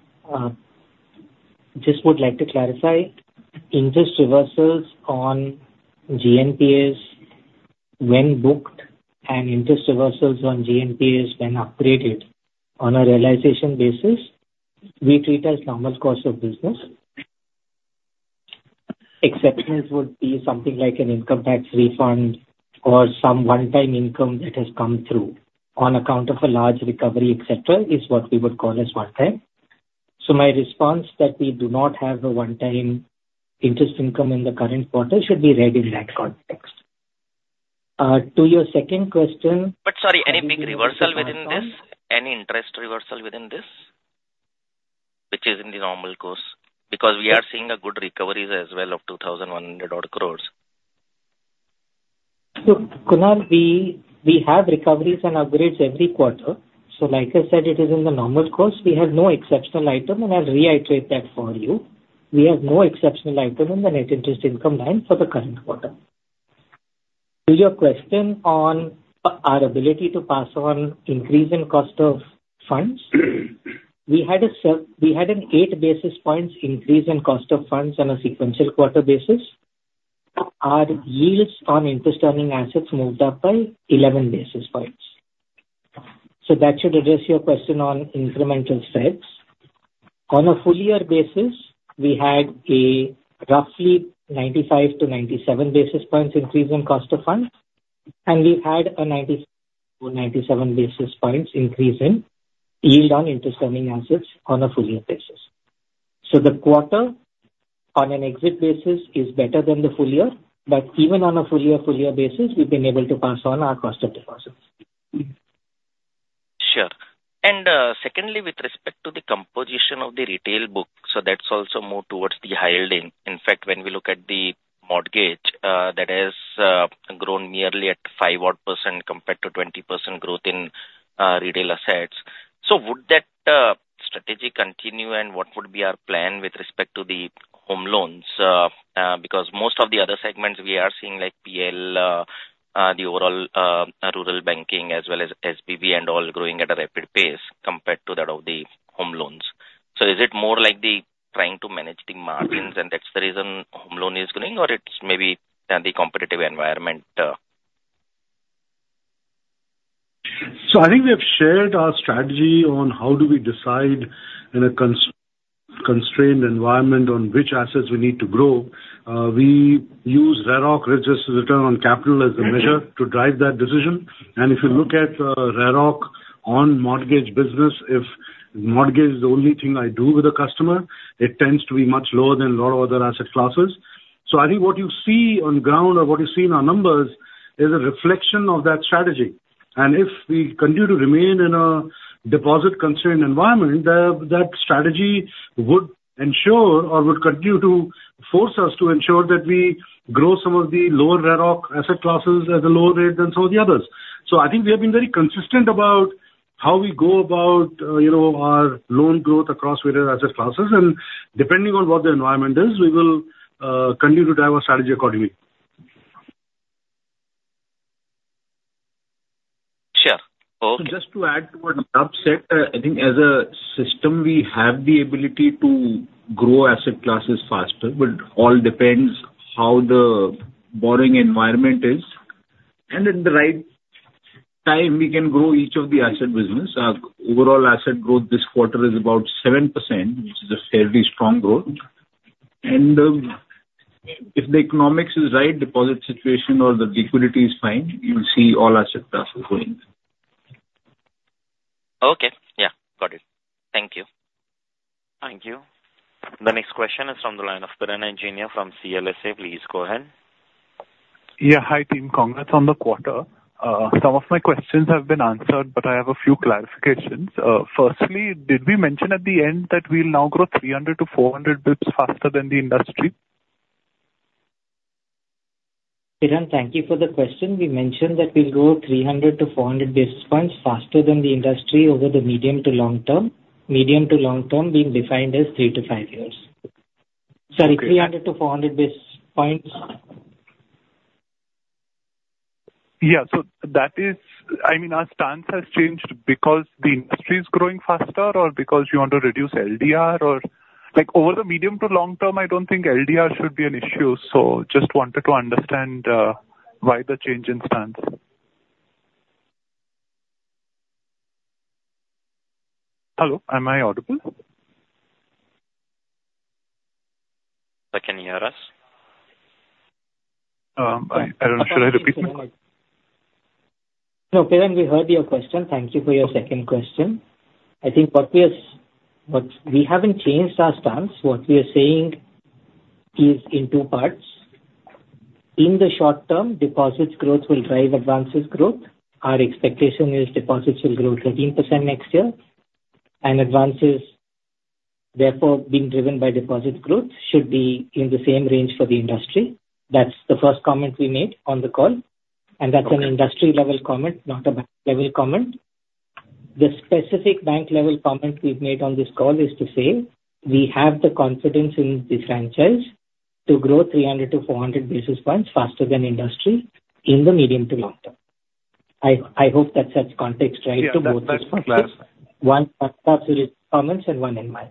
[SPEAKER 3] Just would like to clarify. Interest reversals on GNPA when booked and interest reversals on GNPA when upgraded on a realization basis, we treat as normal course of business. Exceptions would be something like an income tax refund or some one-time income that has come through on account of a large recovery, etc., is what we would call as one-time. So my response is that we do not have a one-time interest income in the current quarter should be read in that context. To your second question. But sorry,
[SPEAKER 9] any big reversal within this? Any interest reversal within this, which is in the normal course? Because we are seeing good recoveries as well of 2,100-odd crores.
[SPEAKER 7] So Kunal, we have recoveries and upgrades every quarter. So like I said, it is in the normal course. We have no exceptional item, and I'll reiterate that for you. We have no exceptional item in the net interest income line for the current quarter. To your question on our ability to pass on increase in cost of funds, we had an 8 basis points increase in cost of funds on a sequential quarter basis. Our yields on interest-earning assets moved up by 11 basis points. So that should address your question on incremental spreads. On a full year basis, we had a roughly 95-97 basis points increase in cost of funds, and we've had a 95-97 basis points increase in yield on interest-earning assets on a full year basis. So the quarter, on an exit basis, is better than the full year. But even on a full year, full year basis, we've been able to pass on our cost of deposits.
[SPEAKER 9] Sure. And secondly, with respect to the composition of the retail book, so that's also more towards the high yield. In fact, when we look at the mortgage, that has grown nearly at 5-odd% compared to 20% growth in retail assets. So would that strategy continue, and what would be our plan with respect to the home loans? Because most of the other segments we are seeing, like PL, the overall rural banking, as well as SBB, and all growing at a rapid pace compared to that of the home loans. So is it more like trying to manage the margins, and that's the reason home loan is growing, or it's maybe the competitive environment?
[SPEAKER 8] So I think we have shared our strategy on how do we decide in a constrained environment on which assets we need to grow. We use RAROC, risk-adjusted return on capital, as a measure to drive that decision. If you look at RAROC on mortgage business, if mortgage is the only thing I do with a customer, it tends to be much lower than a lot of other asset classes. So I think what you see on the ground or what you see in our numbers is a reflection of that strategy. And if we continue to remain in a deposit-constrained environment, that strategy would ensure or would continue to force us to ensure that we grow some of the lower RAROC asset classes at a lower rate than some of the others. So I think we have been very consistent about how we go about our loan growth across various asset classes. And depending on what the environment is, we will continue to drive our strategy accordingly.
[SPEAKER 3] Sure. So just to add to what Subrat said, I think as a system, we have the ability to grow asset classes faster. But all depends on how the borrowing environment is. And at the right time, we can grow each of the asset business. Our overall asset growth this quarter is about 7%, which is a fairly strong growth. And if the economics is right, deposit situation or the liquidity is fine, you'll see all asset classes going.
[SPEAKER 9] Okay. Yeah. Got it. Thank you.
[SPEAKER 1] Thank you. The next question is from the line of Piran Engineer from CLSA. Please go ahead.
[SPEAKER 10] Yeah. Hi, team. Congrats on the quarter. Some of my questions have been answered, but I have a few clarifications. Firstly, did we mention at the end that we'll now grow 300-400 basis points faster than the industry?
[SPEAKER 3] Piran, thank you for the question. We mentioned that we'll grow 300-400 basis points faster than the industry over the medium to long term. Medium to long term being defined as three to five years. Sorry, 300-400 basis points.
[SPEAKER 10] Yeah. So I mean, our stance has changed. Because the industry is growing faster or because you want to reduce LDR? Over the medium to long term, I don't think LDR should be an issue. So just wanted to understand why the change in stance. Hello? Am I audible?
[SPEAKER 2] Can you hear us?
[SPEAKER 10] I don't know. Should I repeat my question?
[SPEAKER 2] No, Piran, we heard your question. Thank you for your second question. I think what we haven't changed our stance. What we are saying is in two parts. In the short term, deposits' growth will drive advances' growth. Our expectation is deposits will grow 13% next year. Advances, therefore, being driven by deposits' growth should be in the same range for the industry. That's the first comment we made on the call. And that's an industry-level comment, not a bank-level comment. The specific bank-level comment we've made on this call is to say we have the confidence in the franchise to grow 300-400 basis points faster than industry in the medium to long term. I hope that sets context right to both these questions, one comments and one in mind.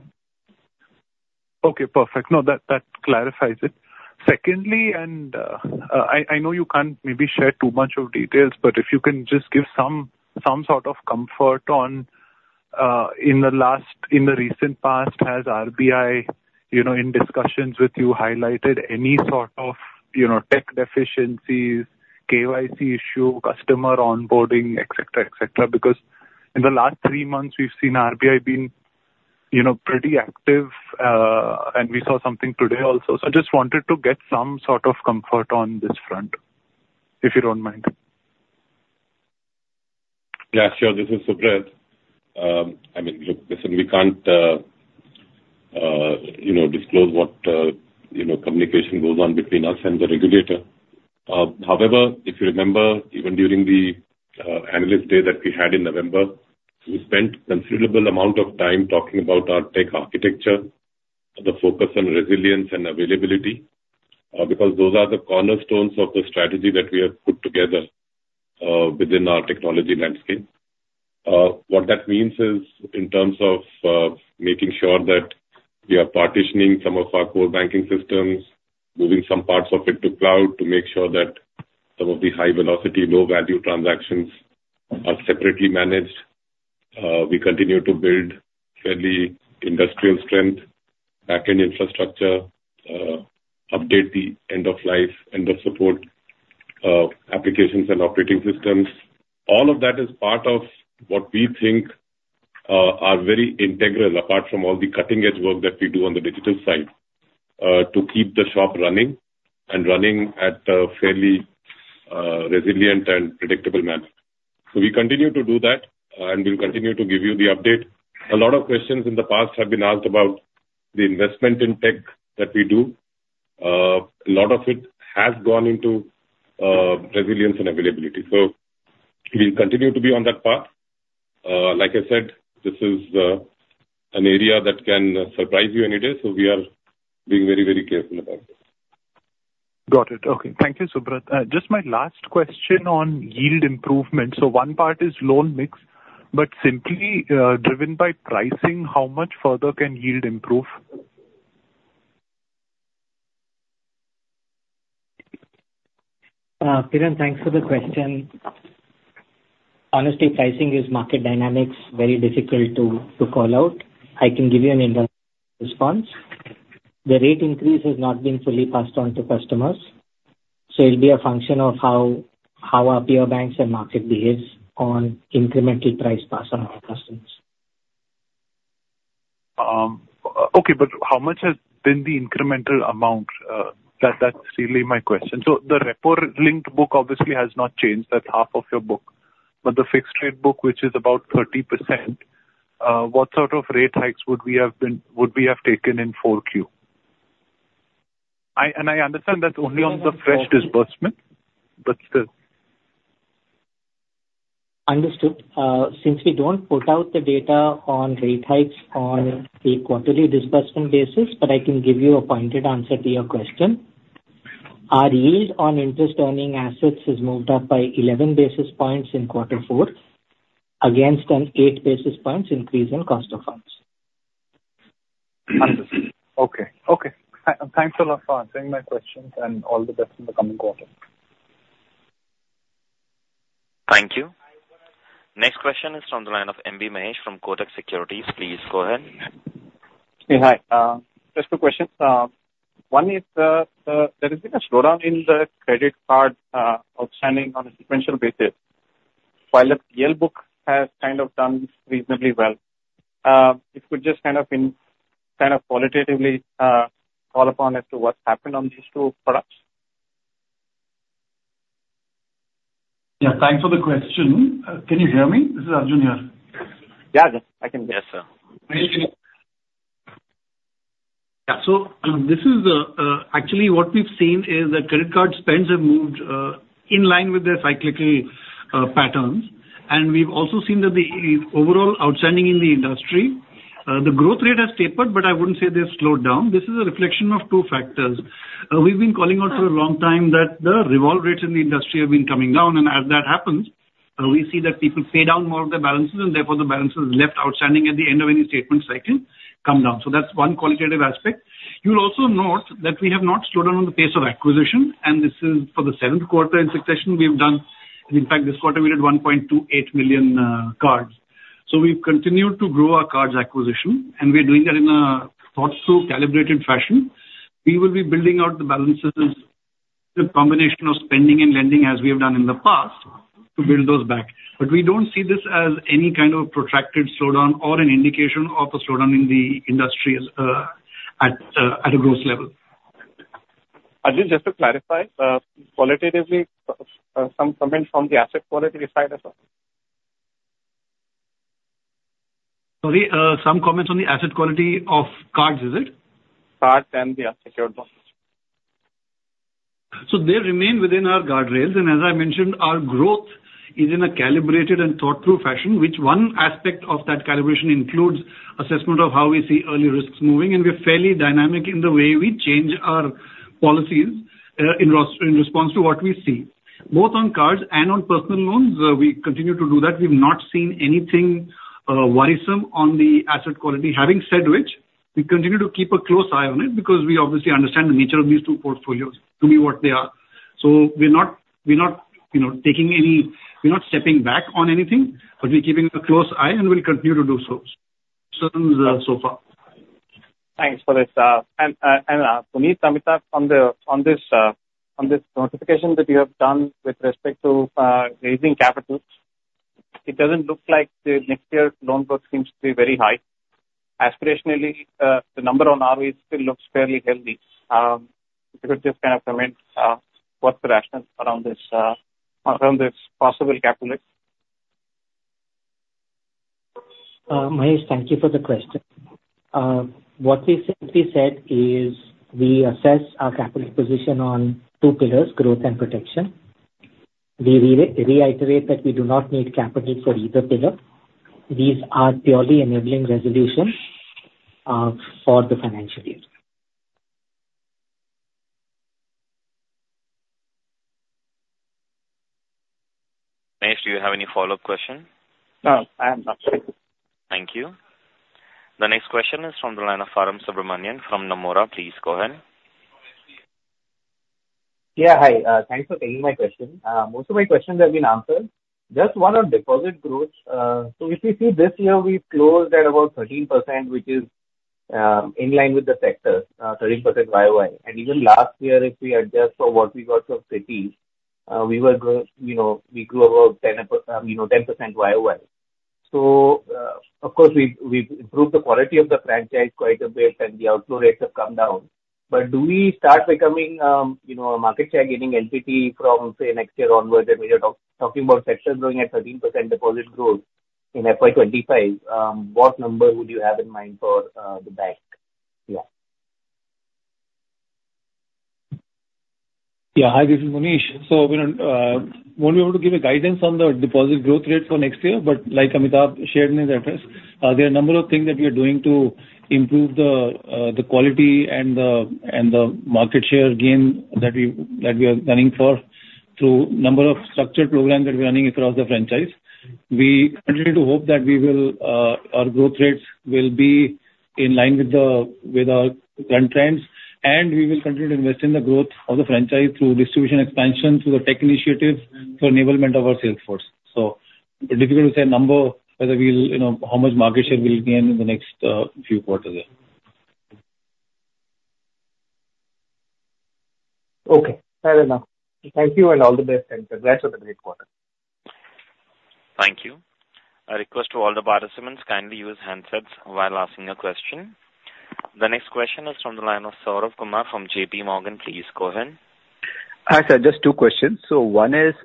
[SPEAKER 10] Okay. Perfect. No, that clarifies it. Secondly, and I know you can't maybe share too much of details, but if you can just give some sort of comfort on, in the recent past, has RBI, in discussions with you, highlighted any sort of tech deficiencies, KYC issue, customer onboarding, etc., etc.? Because in the last three months, we've seen RBI being pretty active, and we saw something today also. So I just wanted to get some sort of comfort on this front, if you don't mind.
[SPEAKER 8] Yeah. Sure. This is Subrat. I mean, listen, we can't disclose what communication goes on between us and the regulator. However, if you remember, even during the analyst day that we had in November, we spent a considerable amount of time talking about our tech architecture, the focus on resilience and availability, because those are the cornerstones of the strategy that we have put together within our technology landscape. What that means is, in terms of making sure that we are partitioning some of our core banking systems, moving some parts of it to cloud to make sure that some of the high-velocity, low-value transactions are separately managed, we continue to build fairly industrial strength, backend infrastructure, update the end-of-life, end-of-support applications and operating systems. All of that is part of what we think are very integral, apart from all the cutting-edge work that we do on the digital side, to keep the shop running and running at a fairly resilient and predictable manner. So we continue to do that, and we'll continue to give you the update. A lot of questions in the past have been asked about the investment in tech that we do. A lot of it has gone into resilience and availability. So we'll continue to be on that path. Like I said, this is an area that can surprise you any day. So we are being very, very careful about this.
[SPEAKER 10] Got it. Okay. Thank you, Subrat. Just my last question on yield improvement. So one part is loan mix, but simply driven by pricing, how much further can yield improve?
[SPEAKER 3] Piran, thanks for the question. Honestly, pricing is market dynamics, very difficult to call out. I can give you an indirect response. The rate increase has not been fully passed on to customers. So it'll be a function of how our peer banks and market behaves on incremental price pass on our customers.
[SPEAKER 10] Okay. But how much has been the incremental amount? That's really my question. So the repo-linked book, obviously, has not changed. That's half of your book. But the fixed-rate book, which is about 30%, what sort of rate hikes would we have taken in 4Q? I understand that's only on the fresh disbursement, but still.
[SPEAKER 3] Understood. Since we don't put out the data on rate hikes on a quarterly disbursement basis, but I can give you a pointed answer to your question. Our yield on interest-earning assets has moved up by 11 basis points in quarter four against an 8 basis points increase in cost of funds.
[SPEAKER 10] Understood. Okay. Okay. Thanks a lot for answering my questions, and all the best in the coming quarter.
[SPEAKER 1] Thank you. Next question is from the line of MB Mahesh from Kotak Securities. Please go ahead.
[SPEAKER 11] Hey. Hi. Just a quick question. One is there has been a slowdown in the credit card outstanding on a sequential basis. While the PL book has kind of done reasonably well, if we could just kind of qualitatively call upon as to what's happened on these two products.
[SPEAKER 12] Yeah. Thanks for the question. Can you hear me? This is Arjun here. Yeah. I can hear you. Yes, sir. Yeah. So actually, what we've seen is that credit card spends have moved in line with their cyclical patterns. And we've also seen that the overall outstanding in the industry, the growth rate has tapered, but I wouldn't say they've slowed down. This is a reflection of two factors. We've been calling out for a long time that the revolve rates in the industry have been coming down. And as that happens, we see that people pay down more of their balances, and therefore, the balances left outstanding at the end of any statement cycle come down. So that's one qualitative aspect. You'll also note that we have not slowed down on the pace of acquisition. And this is for the seventh quarter in succession. In fact, this quarter, we did 1.28 million cards. So we've continued to grow our cards' acquisition, and we're doing that in a thoughtful, calibrated fashion. We will be building out the balances, the combination of spending and lending as we have done in the past, to build those back. But we don't see this as any kind of a protracted slowdown or an indication of a slowdown in the industry at a gross level.
[SPEAKER 11] Arjun, just to clarify, qualitatively, some comments from the asset quality side as well?
[SPEAKER 12] Sorry. Some comments on the asset quality of cards, is it?
[SPEAKER 11] Cards and the unsecured loans.
[SPEAKER 12] So they remain within our guardrails. And as I mentioned, our growth is in a calibrated and thoughtful fashion, which one aspect of that calibration includes assessment of how we see early risks moving. We're fairly dynamic in the way we change our policies in response to what we see. Both on cards and on personal loans, we continue to do that. We've not seen anything worrisome on the asset quality. Having said which, we continue to keep a close eye on it because we obviously understand the nature of these two portfolios to be what they are. So we're not stepping back on anything, but we're keeping a close eye, and we'll continue to do so. Concerns so far.
[SPEAKER 11] Thanks for this, Arjun. Sumit, Amitabh, on this notification that you have done with respect to raising capital, it doesn't look like the next year loan growth seems to be very high. Aspirationally, the number on ROE still looks fairly healthy. If you could just kind of comment, what's the rationale around this possible capital raise?
[SPEAKER 12] Mahesh, thank you for the question. What we simply said is we assess our capital position on two pillars, growth and protection. We reiterate that we do not need capital for either pillar. These are purely enabling resolutions for the financial year. Mahesh, do you have any follow-up question?
[SPEAKER 11] No. I am not.
[SPEAKER 1] Thank you. The next question is from the line of Arun Subramanian from Nomura. Please go ahead.
[SPEAKER 13] Yeah. Hi. Thanks for taking my question. Most of my questions have been answered. Just one on deposit growth. So if we see this year, we've closed at about 13%, which is in line with the sector, 13% YOY. And even last year, if we adjust for what we got from Citi's, we grew about 10% YOY. So of course, we've improved the quality of the franchise quite a bit, and the outflow rates have come down. But do we start becoming a market share-gaining entity from, say, next year onward, and we are talking about sector growing at 13% deposit growth inFY 2025, what number would you have in mind for the bank? Yeah.
[SPEAKER 5] Yeah. Hi. This is Munish. So we won't be able to give you guidance on the deposit growth rate for next year, but like Amitabh shared in his address, there are a number of things that we are doing to improve the quality and the market share gain that we are running for through a number of structured programs that we're running across the franchise. We continue to hope that our growth rates will be in line with our current trends, and we will continue to invest in the growth of the franchise through distribution expansion, through the tech initiatives, for enablement of our sales force. So difficult to say a number whether how much market share we'll gain in the next few quarters here. Okay. Fair enough.
[SPEAKER 13] Thank you, and all the best. And congrats on the great quarter.
[SPEAKER 5] Thank you.
[SPEAKER 1] A request to all the participants, kindly use handsets while asking your question. The next question is from the line of Saurabh Kumar from JP Morgan. Please go ahead.
[SPEAKER 14] Hi, sir. Just two questions. So one is,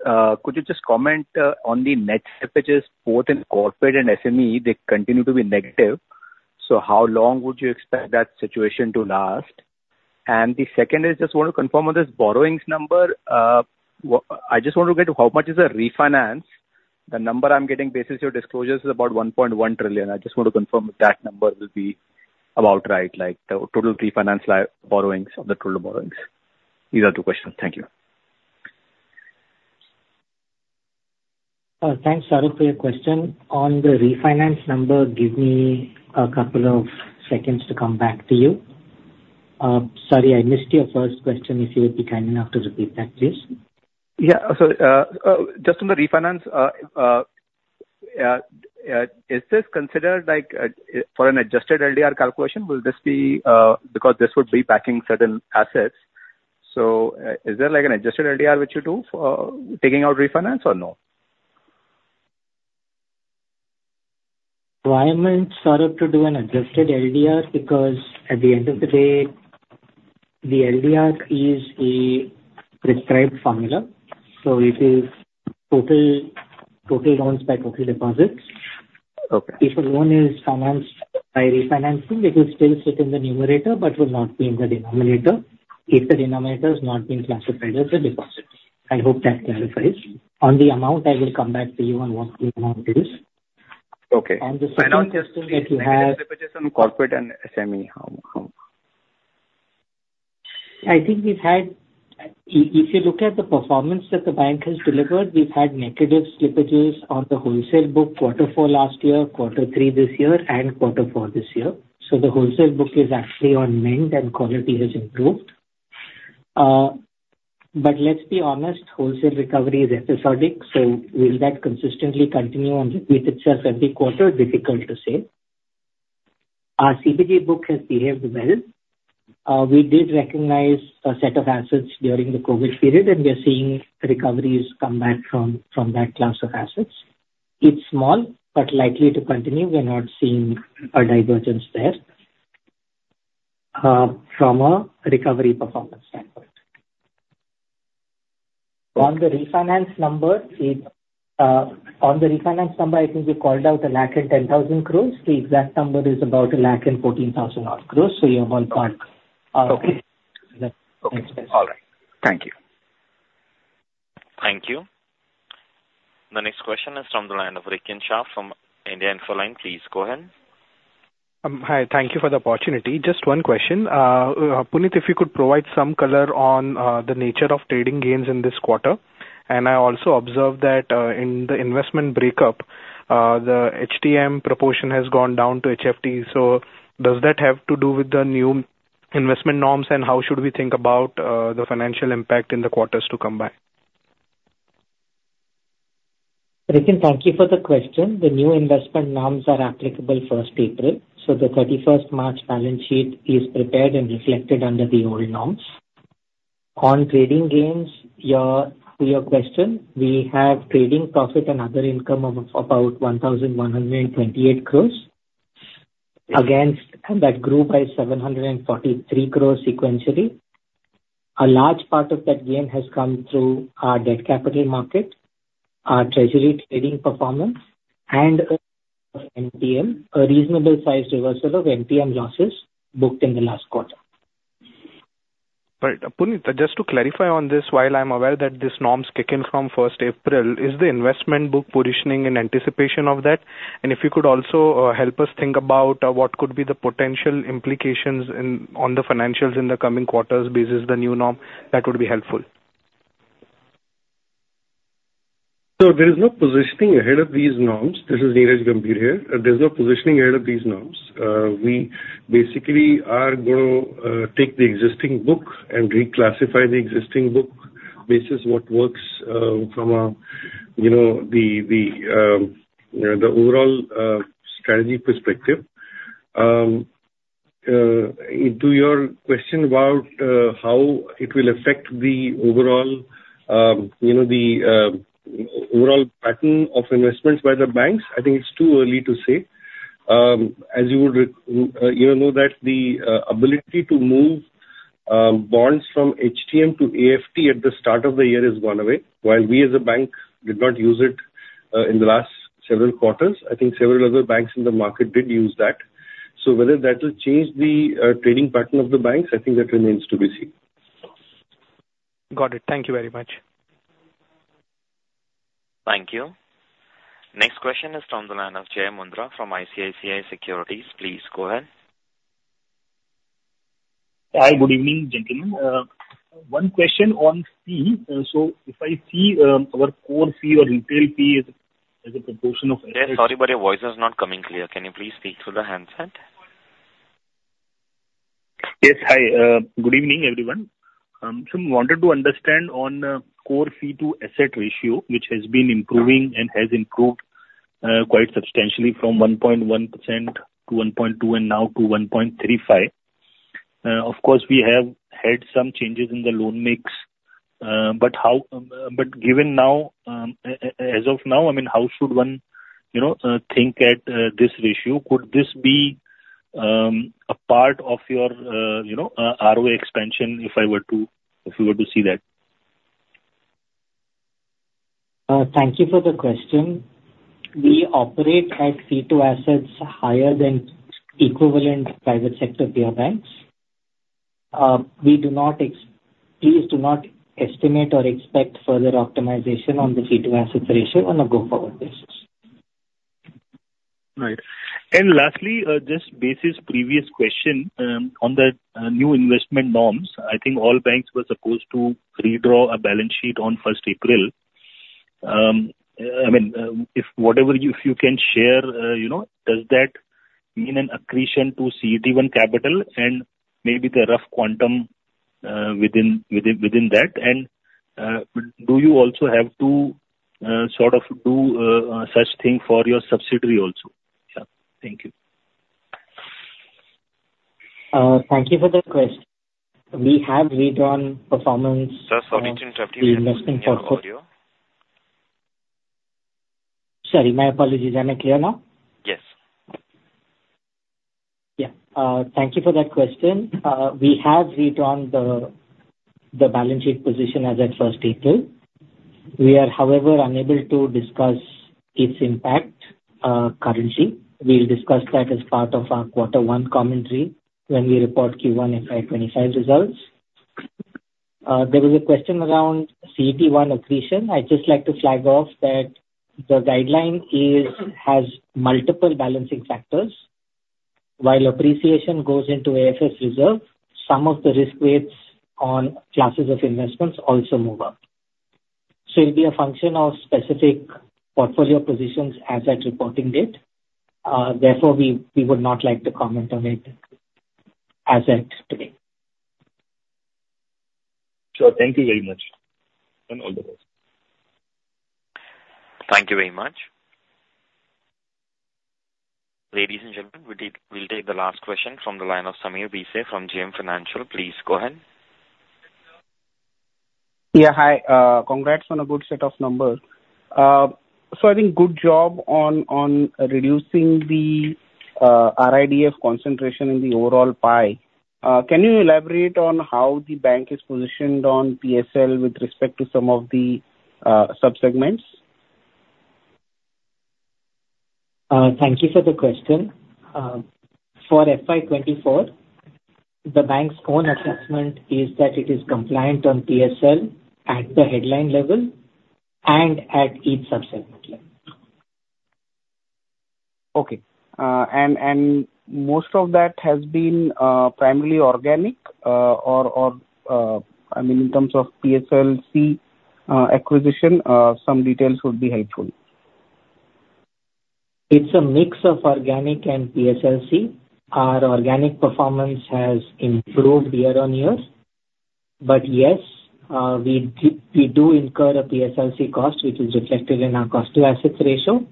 [SPEAKER 14] could you just comment on the net slippages both in corporate and SME? They continue to be negative. So how long would you expect that situation to last? And the second is, just want to confirm on this borrowings number. I just want to get to how much is the refinance. The number I'm getting based on your disclosures is about 1.1 trillion. I just want to confirm if that number will be about right, the total refinance borrowings of the total borrowings. These are two questions. Thank you.
[SPEAKER 3] Thanks, Saurav, for your question. On the refinance number, give me a couple of seconds to come back to you. Sorry, I missed your first question. If you would be kind enough to repeat that, please.
[SPEAKER 14] Yeah. So just on the refinance, is this considered for an adjusted LDR calculation? Will this be because this would be packing certain assets. So is there an adjusted LDR which you do for taking out refinance, or no?
[SPEAKER 2] Requirement, Saurav, to do an adjusted LDR because at the end of the day, the LDR is a prescribed formula. So it is total loans by total deposits. If a loan is financed by refinancing, it will still sit in the numerator but will not be in the denominator if the denominator has not been classified as a deposit. I hope that clarifies. On the amount, I will come back to you on what the amount is. On the slippages that you have.
[SPEAKER 14] Okay. Financial slippages on corporate and SME, how?
[SPEAKER 3] I think we've had if you look at the performance that the bank has delivered, we've had negative slippages on the wholesale book quarter four last year, quarter three this year, and quarter four this year. So the wholesale book is actually on mend, and quality has improved. But let's be honest, wholesale recovery is episodic. So will that consistently continue and repeat itself every quarter? Difficult to say. Our CBG book has behaved well. We did recognize a set of assets during the COVID period, and we're seeing recoveries come back from that class of assets. It's small but likely to continue. We're not seeing a divergence there from a recovery performance standpoint. On the refinance number, on the refinance number, I think we called out 1,100,000 crore. The exact number is about 1,140,000 odd crore. So you're well parked.
[SPEAKER 14] Okay. All right. Thank you.
[SPEAKER 1] Thank you. The next question is from the line of Rikin Shah from India Infoline. Please go ahead.
[SPEAKER 15] Hi. Thank you for the opportunity. Just one question. Puneet, if you could provide some color on the nature of trading gains in this quarter. And I also observed that in the investment breakup, the HTM proportion has gone down to HFT. So does that have to do with the new investment norms, and how should we think about the financial impact in the quarters to come by?
[SPEAKER 3] Rikin, thank you for the question. The new investment norms are applicable 1st April. So the 31st March balance sheet is prepared and reflected under the old norms. On trading gains, to your question, we have trading profit and other income of about 1,128 crore against that grew by 743 crore sequentially. A large part of that gain has come through our debt capital market, our treasury trading performance, and a reasonable-sized reversal of MPM losses booked in the last quarter.
[SPEAKER 15] Right. Puneet, just to clarify on this while I'm aware that these norms kick in from 1st April, is the investment book positioning in anticipation of that? And if you could also help us think about what could be the potential implications on the financials in the coming quarters based on the new norm, that would be helpful.
[SPEAKER 3] So there is no positioning ahead of these norms. This is Neeraj Gambhir here. There's no positioning ahead of these norms. We basically are going to take the existing book and reclassify the existing book based on what works from the overall strategy perspective. To your question about how it will affect the overall pattern of investments by the banks, I think it's too early to say. As you would know that, the ability to move bonds from HTM to AFS at the start of the year has gone away, while we as a bank did not use it in the last several quarters. I think several other banks in the market did use that. So whether that will change the trading pattern of the banks, I think that remains to be seen.
[SPEAKER 15] Got it. Thank you very much.
[SPEAKER 1] Thank you. Next question is from the line of Jay Mundra from ICICI Securities. Please go ahead.
[SPEAKER 16] Hi. Good evening, gentlemen. One question on fee. So if I see our core fee or retail fee as a proportion of. Yes. Sorry, but your voice is not coming clear. Can you please speak through the handset? Yes. Hi. Good evening, everyone. So I wanted to understand on core fee-to-asset ratio, which has been improving and has improved quite substantially from 1.1% to 1.2% and now to 1.35%. Of course, we have had some changes in the loan mix. But given now, as of now, I mean, how should one think at this ratio? Could this be a part of your ROE expansion if I were to see that?
[SPEAKER 3] Thank you for the question. We operate at fee-to-assets higher than equivalent private sector peer banks. Please do not estimate or expect further optimization on the fee-to-assets ratio on a go-forward basis. Right. And lastly, just based on previous question, on the new investment norms, I think all banks were supposed to redraw a balance sheet on 1st April. I mean, if you can share, does that mean an accretion to CET1 capital and maybe the rough quantum within that? And do you also have to sort of do such thing for your subsidiary also? Yeah. Thank you. Thank you for the question. We have redrawn performance.
[SPEAKER 1] Just auditioned 50 minutes ago on the audio.
[SPEAKER 3] Sorry. My apologies. Am I clear now?
[SPEAKER 1] Yes.
[SPEAKER 3] Yeah. Thank you for that question. We have redrawn the balance sheet position as at 1st April. We are, however, unable to discuss its impact currently. We'll discuss that as part of our quarter one commentary when we report Q1FY 2025 results. There was a question around CET1 accretion. I'd just like to flag off that the guideline has multiple balancing factors. While appreciation goes into AFS reserve, some of the risk weights on classes of investments also move up. So it'll be a function of specific portfolio positions as at reporting date. Therefore, we would not like to comment on it as at today.
[SPEAKER 16] Sure. Thank you very much, and all the best.
[SPEAKER 1] Thank you very much. Ladies and gentlemen, we'll take the last question from the line of Sameer Bhise from JM Financial. Please go ahead.
[SPEAKER 17] Yeah. Hi. Congrats on a good set of numbers. So I think good job on reducing the RIDF concentration in the overall pie. Can you elaborate on how the bank is positioned on PSL with respect to some of the subsegments?
[SPEAKER 3] Thank you for the question. ForFY 2024, the bank's own assessment is that it is compliant on PSL at the headline level and at each subsegment level.
[SPEAKER 17] Okay. And most of that has been primarily organic or, I mean, in terms of PSLC acquisition, some details would be helpful.
[SPEAKER 3] It's a mix of organic and PSLC. Our organic performance has improved year-on-year. But yes, we do incur a PSLC cost, which is reflected in our cost-to-assets ratio.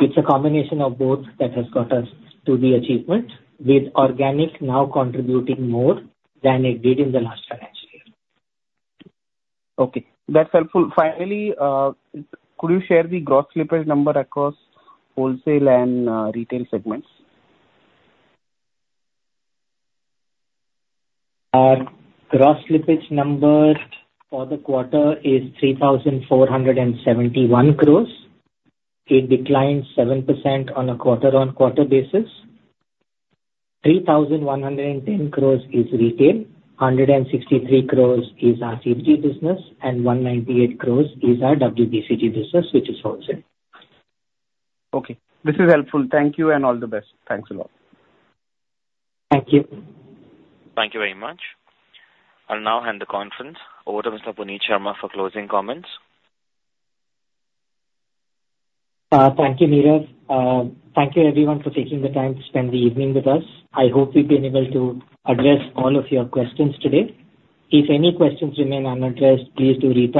[SPEAKER 3] It's a combination of both that has got us to the achievement, with organic now contributing more than it did in the last financial year.
[SPEAKER 17] Okay. That's helpful. Finally, could you share the gross slippage number across wholesale and retail segments?
[SPEAKER 3] Our gross slippage number for the quarter is 3,471 crore. It declines 7% on a quarter-on-quarter basis. 3,110 crore is retail, 163 crore is our CBG business, and 198 crore is our WBCG business, which is wholesale.
[SPEAKER 17] Okay. This is helpful. Thank you, and all the best.
[SPEAKER 3] Thanks a lot.
[SPEAKER 14] Thank you.
[SPEAKER 1] Thank you very much. I'll now hand the conference over to Mr. Puneet Sharma for closing comments.
[SPEAKER 3] Thank you, Neeraj. Thank you, everyone, for taking the time to spend the evening with us. I hope we've been able to address all of your questions today. If any questions remain unaddressed, please do reach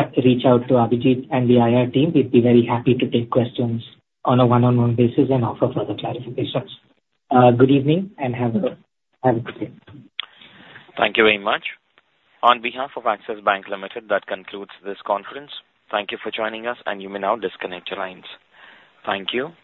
[SPEAKER 3] out to Abhijit and the IR team. We'd be very happy to take questions on a one-on-one basis and offer further clarifications. Good evening, and have a good day.
[SPEAKER 1] Thank you very much. On behalf of Axis Bank Limited, that concludes this conference. Thank you for joining us, and you may now disconnect your lines. Thank you.